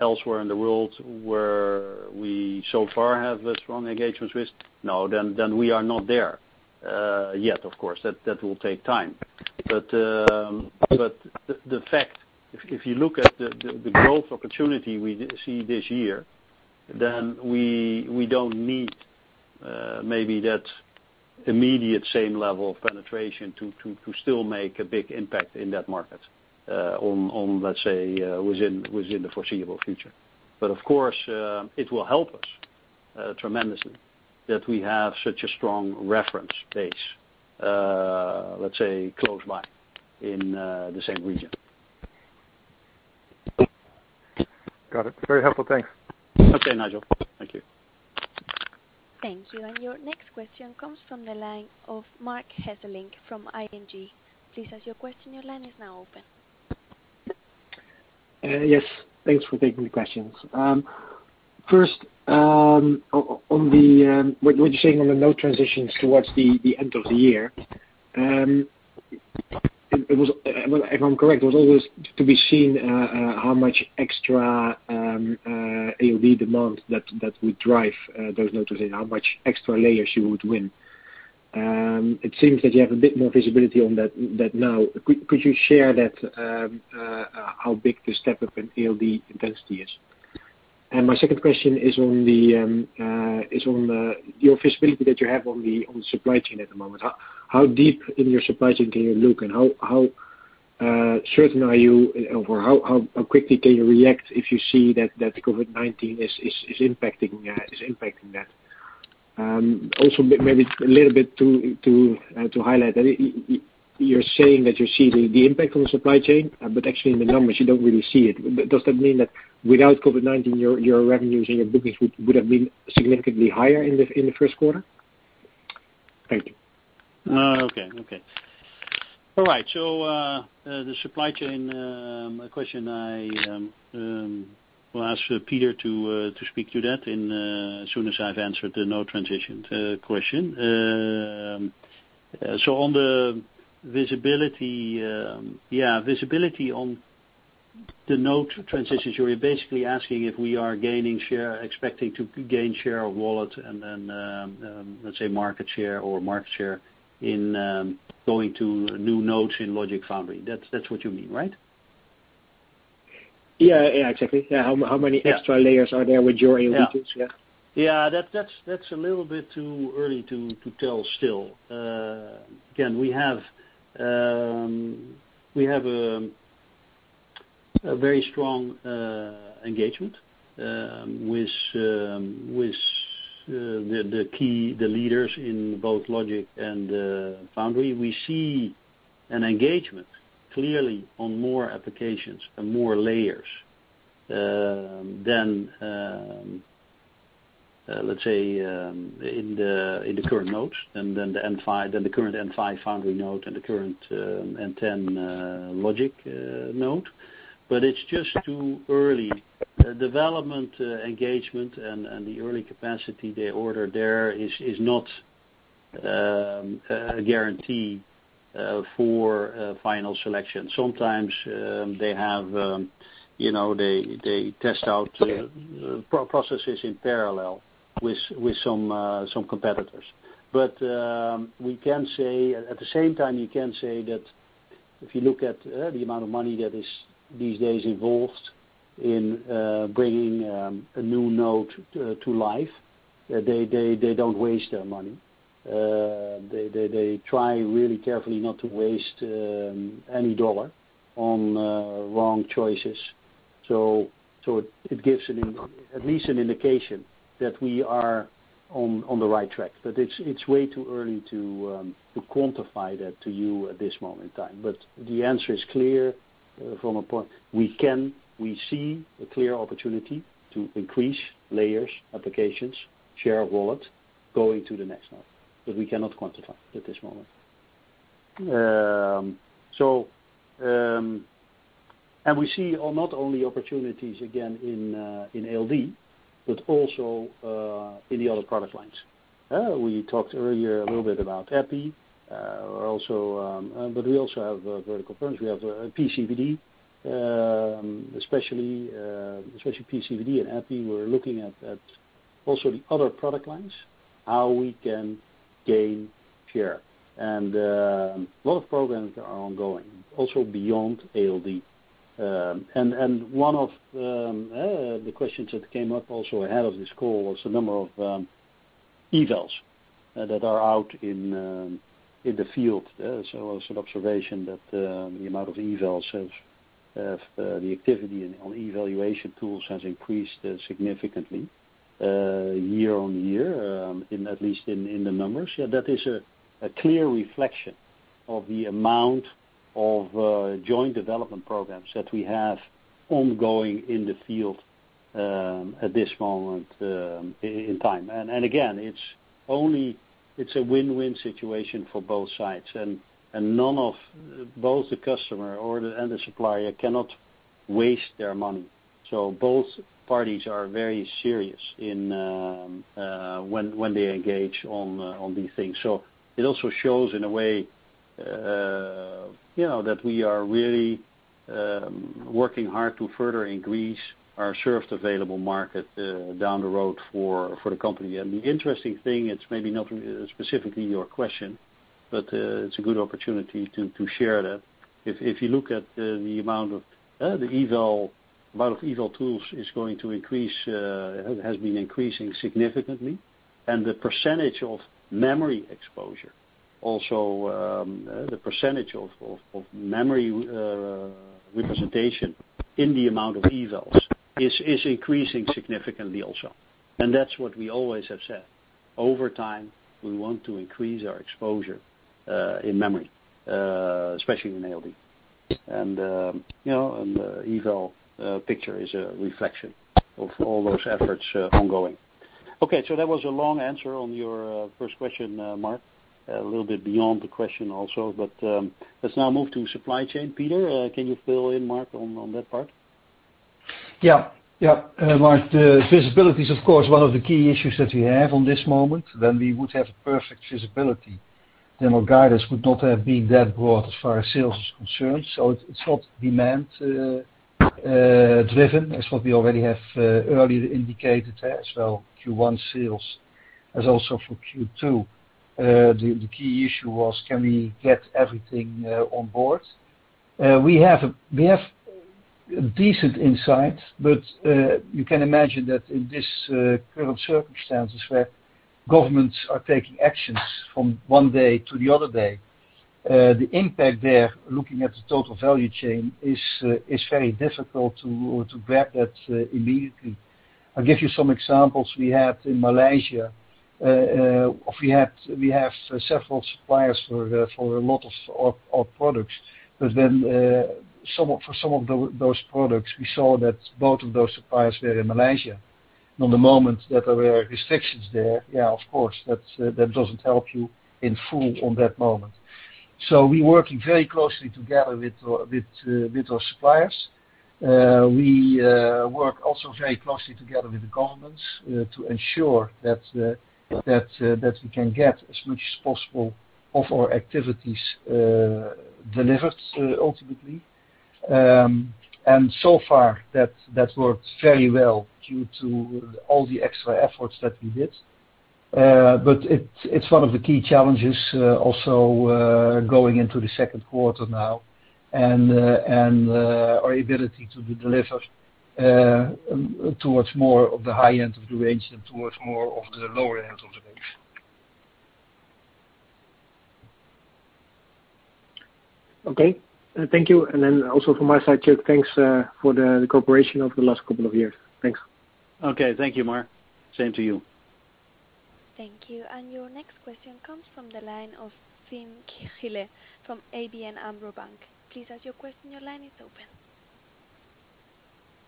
elsewhere in the world where we so far have strong engagements with? No, then we are not there yet, of course. That will take time. The fact, if you look at the growth opportunity we see this year, then we don't need maybe that immediate same level of penetration to still make a big impact in that market on, let's say, within the foreseeable future. Of course, it will help us tremendously that we have such a strong reference base, let's say, close by in the same region. Got it. Very helpful. Thanks. Okay, Nigel. Thank you. Thank you. Your next question comes from the line of Marc Hesselink from ING. Please ask your question. Your line is now open. Yes. Thanks for taking the questions. First, on what you're saying on the node transitions towards the end of the year. If I'm correct, it was always to be seen how much extra ALD demand that would drive those nodes and how much extra layers you would win. It seems that you have a bit more visibility on that now. Could you share that, how big the step-up in ALD intensity is? My second question is on the visibility that you have on the supply chain at the moment. How deep in your supply chain can you look, and how certain are you, or how quickly can you react if you see that the COVID-19 is impacting that? Maybe a little bit to highlight that you're saying that you see the impact on the supply chain, but actually in the numbers you don't really see it. Does that mean that without COVID-19, your revenues and your bookings would have been significantly higher in the first quarter? Thank you. Okay. All right. The supply chain question, I will ask Peter to speak to that as soon as I've answered the node transitions question. On the visibility on the node transitions, you're basically asking if we are expecting to gain share of wallet, and then, let's say, market share or market share in going to new nodes in logic/foundry. That's what you mean, right? Yeah, exactly. How many extra layers are there with your ALD tools? Yeah. Yeah. That's a little bit too early to tell still. Again, we have a very strong engagement with the key leaders in both logic and foundry. We see an engagement clearly on more applications and more layers than, let's say, in the current nodes and then the current N5 foundry node and the current N10 Logic node. It's just too early. The development engagement and the early capacity they order there is not a guarantee for final selection. Sometimes they test out processes in parallel with some competitors. At the same time, you can say that if you look at the amount of money that is these days involved in bringing a new node to life, they don't waste their money. They try really carefully not to waste any dollar on wrong choices. It gives at least an indication that we are on the right track, but it's way too early to quantify that to you at this moment in time. The answer is clear from a point. We see a clear opportunity to increase layers, applications, share of wallet going to the next node, but we cannot quantify at this moment. We see not only opportunities again in ALD, but also in the other product lines. We talked earlier a little bit about EPI. We also have vertical products. We have PECVD, especially PECVD and EPI. We're looking at also the other product lines, how we can gain share. A lot of programs are ongoing, also beyond ALD. One of the questions that came up also ahead of this call was the number of evals that are out in the field. An observation that the amount of evals, the activity on evaluation tools has increased significantly year-on-year, at least in the numbers. That is a clear reflection of the amount of Joint Development Programs that we have ongoing in the field at this moment in time. Again, it's a win-win situation for both sides, and both the customer and the supplier cannot waste their money. Both parties are very serious when they engage on these things. It also shows in a way that we are really working hard to further increase our Served Available Market down the road for the company. The interesting thing, it's maybe not specifically your question, but it's a good opportunity to share that. If you look at the amount of eval tools is going to increase, has been increasing significantly, and the percentage of memory exposure. Also, the percentage of memory representation in the amount of evals is increasing significantly also. That's what we always have said. Over time, we want to increase our exposure in memory, especially in ALD. The eval picture is a reflection of all those efforts ongoing. Okay. That was a long answer on your first question, Marc. A little bit beyond the question also. Let's now move to supply chain. Peter, can you fill in Marc on that part? Marc, the visibility is of course one of the key issues that we have on this moment. We would have perfect visibility, then our guidance would not have been that broad as far as sales is concerned. It's not demand-driven, as what we already have earlier indicated as well. Q1 sales as also for Q2, the key issue was can we get everything on board? We have decent insight, but you can imagine that in this current circumstances where governments are taking actions from one day to the other day, the impact there, looking at the total value chain is very difficult to grab that immediately. I'll give you some examples. We have in Malaysia, we have several suppliers for a lot of our products. For some of those products, we saw that both of those suppliers were in Malaysia. From the moment that there were restrictions there, of course, that doesn't help you in full on that moment. We're working very closely together with our suppliers. We work also very closely together with the governments to ensure that we can get as much as possible of our activities delivered ultimately. So far, that works very well due to all the extra efforts that we did. It's one of the key challenges also, going into the second quarter now and our ability to deliver towards more of the high end of the range than towards more of the lower end of the range. Okay. Thank you. Also from my side, Chuck, thanks for the cooperation over the last couple of years. Thanks. Okay. Thank you, Marc. Same to you. Thank you. Your next question comes from the line of Wim Gille from ABN AMRO Bank. Please ask your question, your line is open.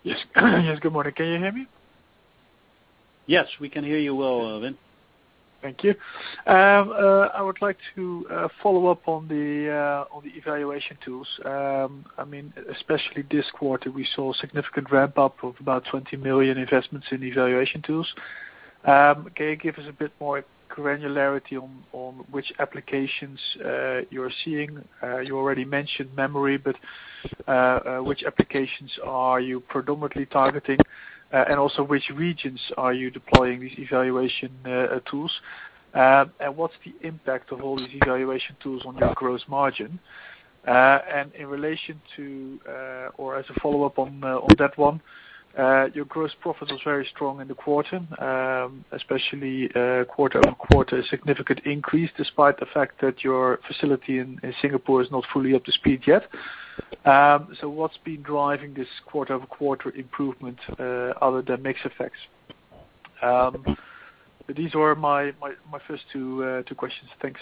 Yes. Yes, good morning. Can you hear me? Yes, we can hear you well, Wim. Thank you. I would like to follow up on the evaluation tools. Especially this quarter, we saw a significant ramp-up of about 20 million investments in evaluation tools. Can you give us a bit more granularity on which applications you're seeing? You already mentioned memory, which applications are you predominantly targeting, and also which regions are you deploying these evaluation tools? What's the impact of all these evaluation tools on your gross margin? In relation to, or as a follow-up on that one, your gross profit was very strong in the quarter, especially quarter-over-quarter, significant increase despite the fact that your facility in Singapore is not fully up to speed yet. What's been driving this quarter-over-quarter improvement other than mix effects? These were my first two questions. Thanks.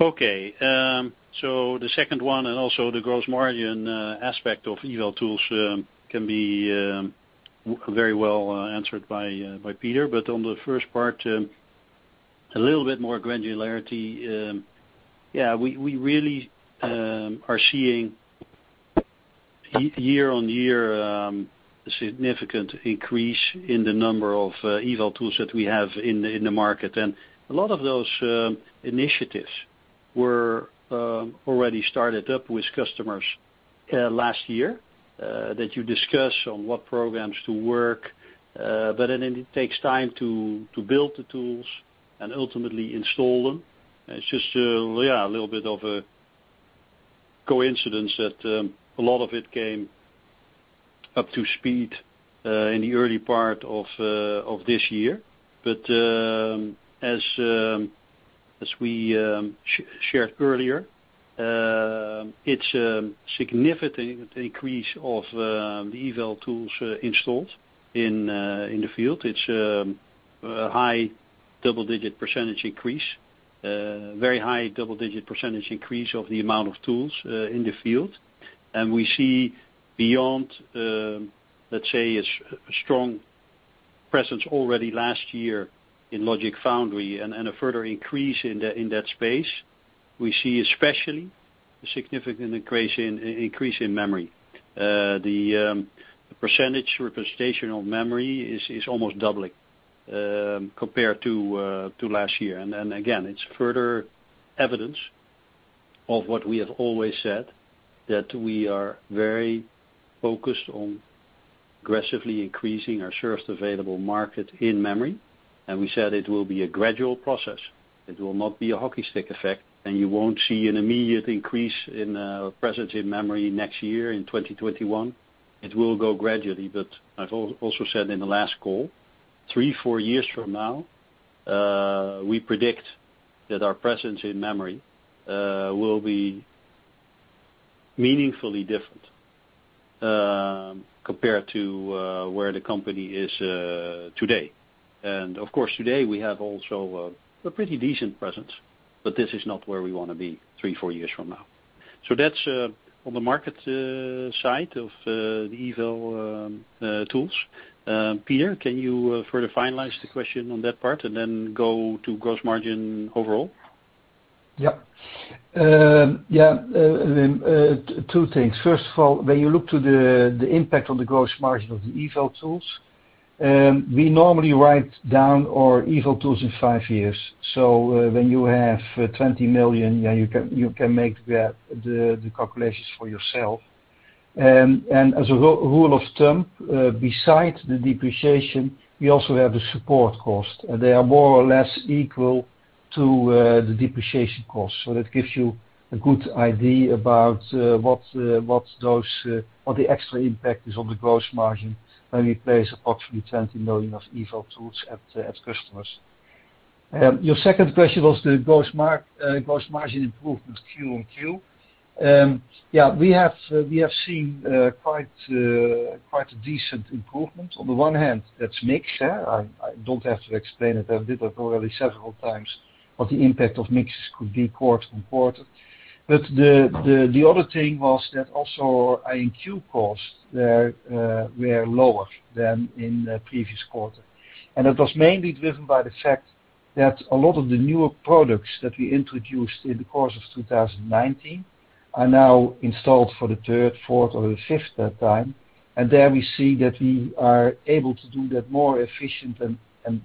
Okay. The second one, and also the gross margin aspect of eval tools can be very well answered by Peter. On the first part, a little bit more granularity. Yeah, we really are seeing year on year, significant increase in the number of eval tools that we have in the market. And a lot of those initiatives were already started up with customers last year, that you discuss on what programs to work. Then it takes time to build the tools and ultimately install them. It's just a little bit of a coincidence that a lot of it came up to speed in the early part of this year. As we shared earlier, it's a significant increase of the eval tools installed in the field. It's a high double-digit percentage increase. Very high double-digit percentage increase of the amount of tools in the field. We see beyond, let's say, a strong presence already last year in logic/foundry and a further increase in that space. We see especially a significant increase in Memory. The percentage representation of Memory is almost doubling compared to last year. Again, it's further evidence of what we have always said, that we are very focused on aggressively increasing our Served Available Market in memory. We said it will be a gradual process. It will not be a hockey stick effect, and you won't see an immediate increase in our presence in memory next year in 2021. It will go gradually. I've also said in the last call, three, four years from now, we predict that our presence in memory will be meaningfully different compared to where the company is today. Of course, today we have also a pretty decent presence, but this is not where we want to be three, four years from now. That's on the market side of the eval tools. Peter, can you further finalize the question on that part and then go to gross margin overall? Yeah. Two things. First of all, when you look to the impact on the gross margin of the eval tools, we normally write down our eval tools in five years. When you have 20 million, you can make the calculations for yourself. As a rule of thumb, besides the depreciation, we also have the support cost. They are more or less equal to the depreciation cost. That gives you a good idea about what the extra impact is on the gross margin when we place approximately 20 million of eval tools at customers. Your second question was the gross margin improvement quarter-over-quarter. Yeah, we have seen quite a decent improvement. On the one hand, that's mix. I don't have to explain it. I did that already several times, what the impact of mix could be quarter-over-quarter. The other thing was that also in Q cost, they were lower than in the previous quarter. That was mainly driven by the fact that a lot of the newer products that we introduced in the course of 2019 are now installed for the third, fourth, or the fifth time. There we see that we are able to do that more efficient and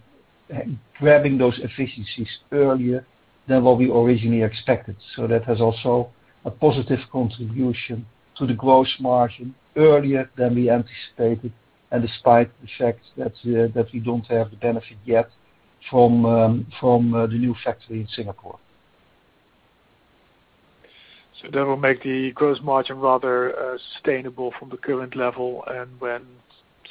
grabbing those efficiencies earlier than what we originally expected. That has also a positive contribution to the gross margin earlier than we anticipated and despite the fact that we don't have the benefit yet from the new factory in Singapore. That will make the gross margin rather sustainable from the current level, and when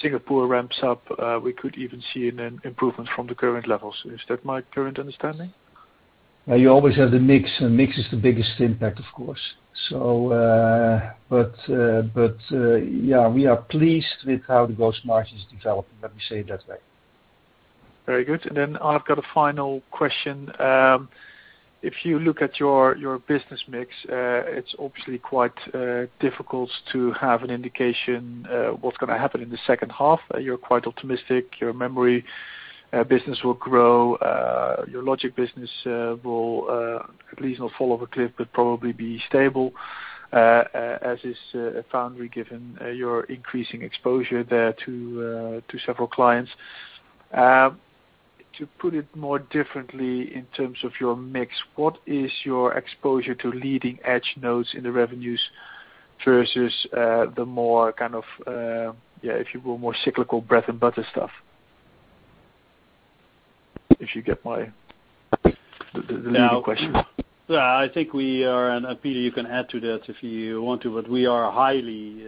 Singapore ramps up, we could even see an improvement from the current levels. Is that my current understanding? You always have the mix, and mix is the biggest impact, of course. Yeah, we are pleased with how the gross margin is developing, let me say it that way. Very good. I've got a final question. If you look at your business mix, it's obviously quite difficult to have an indication what's going to happen in the second half. You're quite optimistic. Your memory business will grow. Your logic business will at least not fall off a cliff, but probably be stable, as is foundry, given your increasing exposure there to several clients. To put it more differently in terms of your mix, what is your exposure to leading-edge nodes in the revenues versus the more, if you will, more cyclical bread-and-butter stuff? If you get my leading question. Peter, you can add to that if you want to, but we are highly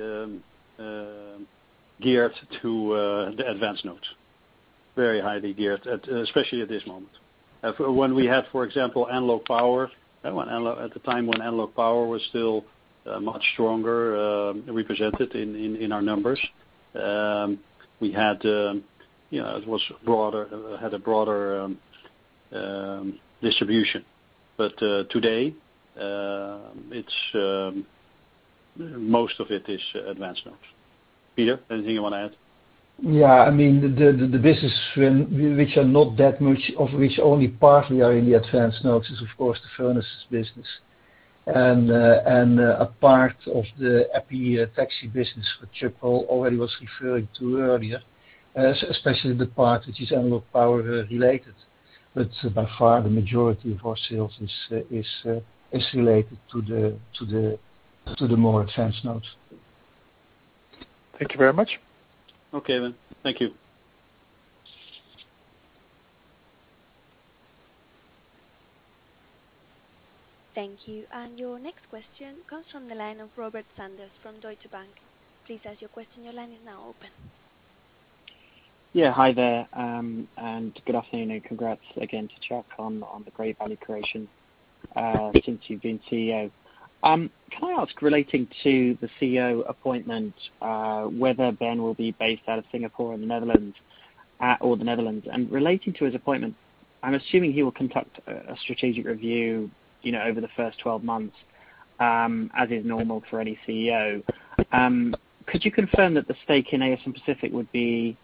geared to the advanced nodes. Very highly geared, especially at this moment. When we had, for example, analog power, at the time when analog power was still much stronger represented in our numbers, it had a broader distribution. But today, most of it is advanced nodes. Peter, anything you want to add? Yeah, the business which are not that much, of which only partly are in the advanced nodes is, of course, the furnaces business and a part of the epitaxy business, which Chuck already was referring to earlier, especially the part which is analog power-related. By far, the majority of our sales is related to the more advanced nodes. Thank you very much. Okay, then. Thank you. Thank you. Your next question comes from the line of Robert Sanders from Deutsche Bank. Please ask your question. Your line is now open. Yeah. Hi there, good afternoon, and congrats again to Chuck on the great value creation since you've been CEO. Can I ask, relating to the CEO appointment, whether Ben will be based out of Singapore or the Netherlands? Relating to his appointment, I'm assuming he will conduct a strategic review over the first 12 months, as is normal for any CEO. Could you confirm that the stake in ASM Pacific would be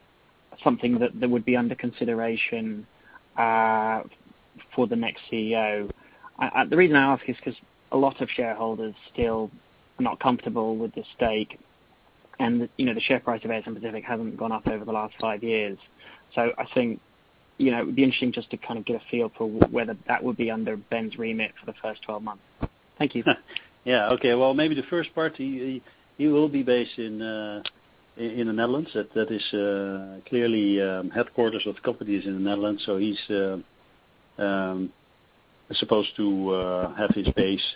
something that would be under consideration for the next CEO? The reason I ask is because a lot of shareholders still are not comfortable with the stake, the share price of ASM Pacific hasn't gone up over the last five years. I think it would be interesting just to kind of get a feel for whether that would be under Ben's remit for the first 12 months. Thank you. Yeah. Okay. Well, maybe the first part, he will be based in the Netherlands. That is clearly headquarters of the company is in the Netherlands, so he's supposed to have his base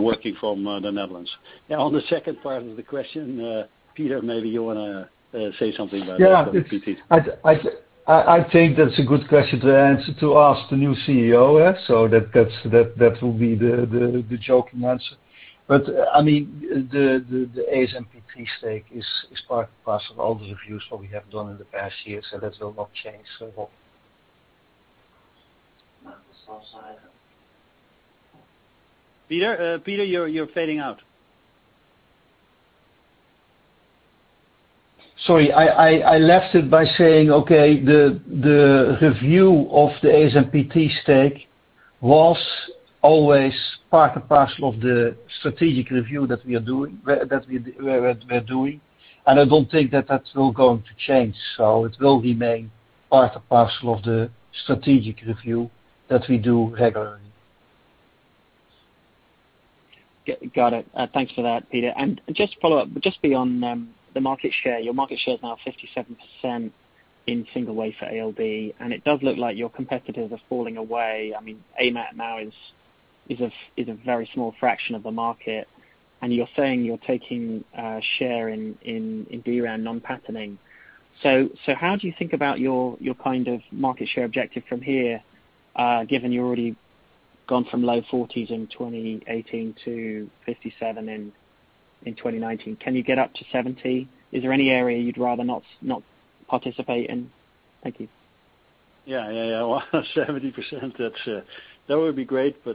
working from the Netherlands. On the second part of the question, Peter, maybe you want to say something about that. Yeah. I think that's a good question to ask the new CEO. That will be the joking answer. The ASMPT stake is part and parcel of all the reviews that we have done in the past year, so that will not change, Rob. Peter? Peter, you're fading out. Sorry, I left it by saying, okay, the review of the ASMPT stake was always part and parcel of the strategic review that we're doing, and I don't think that will going to change. It will remain part and parcel of the strategic review that we do regularly. Got it. Thanks for that, Peter. Just to follow up, just beyond the market share. Your market share is now 57% in single-wafer ALD, and it does look like your competitors are falling away. AMAT now is a very small fraction of the market, and you're saying you're taking a share in DRAM non-patterning. How do you think about your kind of market share objective from here, given you're already gone from low 40s in 2018 to 57 in 2019? Can you get up to 70? Is there any area you'd rather not participate in? Thank you. Yeah. 70%, that would be great. That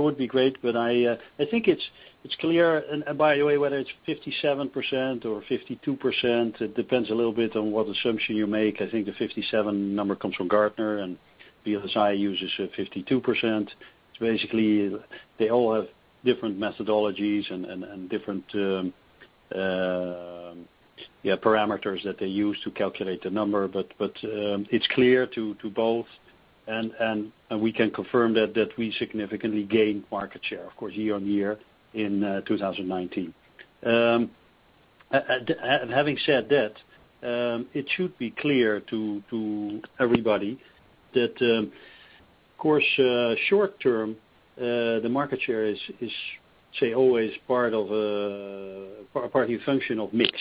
would be great, I think it's clear, and by the way, whether it's 57% or 52%, it depends a little bit on what assumption you make. I think the 57 number comes from Gartner, VLSI uses 52%. Basically, they all have different methodologies and different parameters that they use to calculate the number. It's clear to both, and we can confirm that we significantly gained market share, of course, year-on-year in 2019. Having said that, it should be clear to everybody that, of course, short-term, the market share is say always part in function of mix.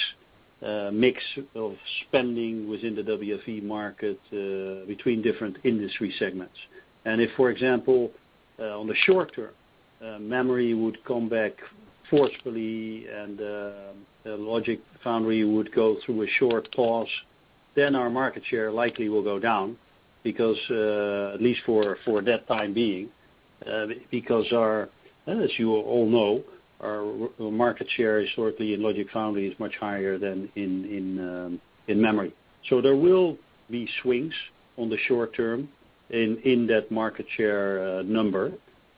Mix of spending within the WFE market, between different industry segments. If, for example, on the short-term, Memory would come back forcefully and the logic/foundry would go through a short pause, then our market share likely will go down, at least for that time being. As you all know, our market share historically in logic/foundry is much higher than in Memory. There will be swings on the short-term in that market share number,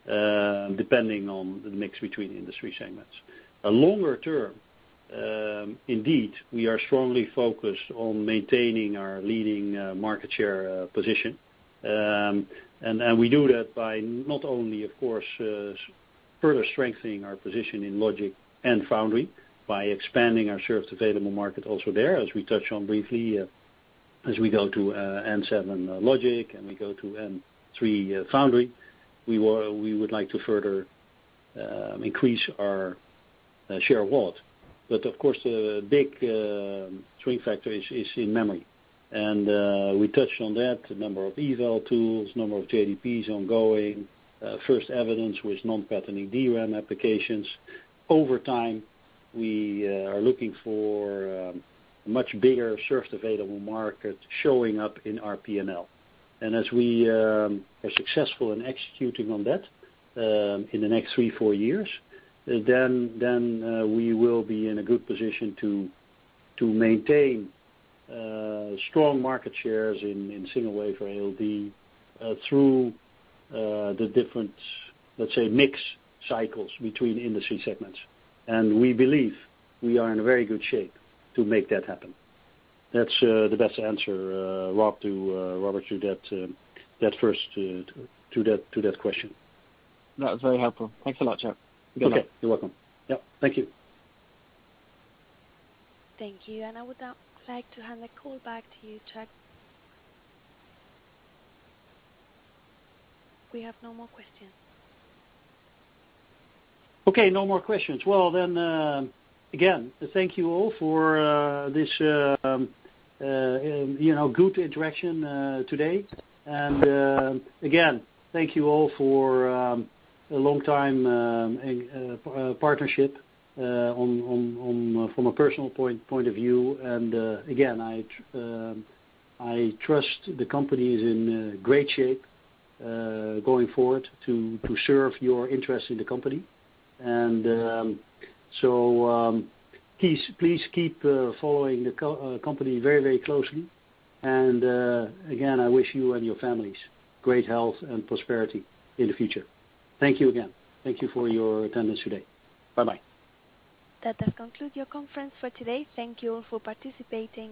depending on the mix between industry segments. At longer term, indeed, we are strongly focused on maintaining our leading market share position. We do that by not only, of course, further strengthening our position in logic and foundry by expanding our Served Available Market also there, as we touched on briefly, as we go to N7 logic and we go to N3 foundry, we would like to further increase our share of wallet. Of course, the big swing factor is in memory. We touched on that, the number of eval tools, number of JDPs ongoing, first evidence with non-patterning DRAM applications. Over time, we are looking for a much bigger Served Available Market showing up in our P&L. As we are successful in executing on that in the next three, four years, then we will be in a good position to maintain strong market shares in single-wafer ALD through the different, let's say, mix cycles between industry segments. We believe we are in a very good shape to make that happen. That's the best answer, Rob, Robert, to that first question. That was very helpful. Thanks a lot, Chuck. Okay. You're welcome. Yep. Thank you. Thank you. I would now like to hand the call back to you, Chuck. We have no more questions. Okay, no more questions. Well, again, thank you all for this good interaction today. Again, thank you all for a long-time partnership from a personal point of view. Again, I trust the company is in great shape going forward to serve your interest in the company. Please keep following the company very closely. Again, I wish you and your families great health and prosperity in the future. Thank you again. Thank you for your attendance today. Bye-bye. That does conclude your conference for today. Thank you all for participating.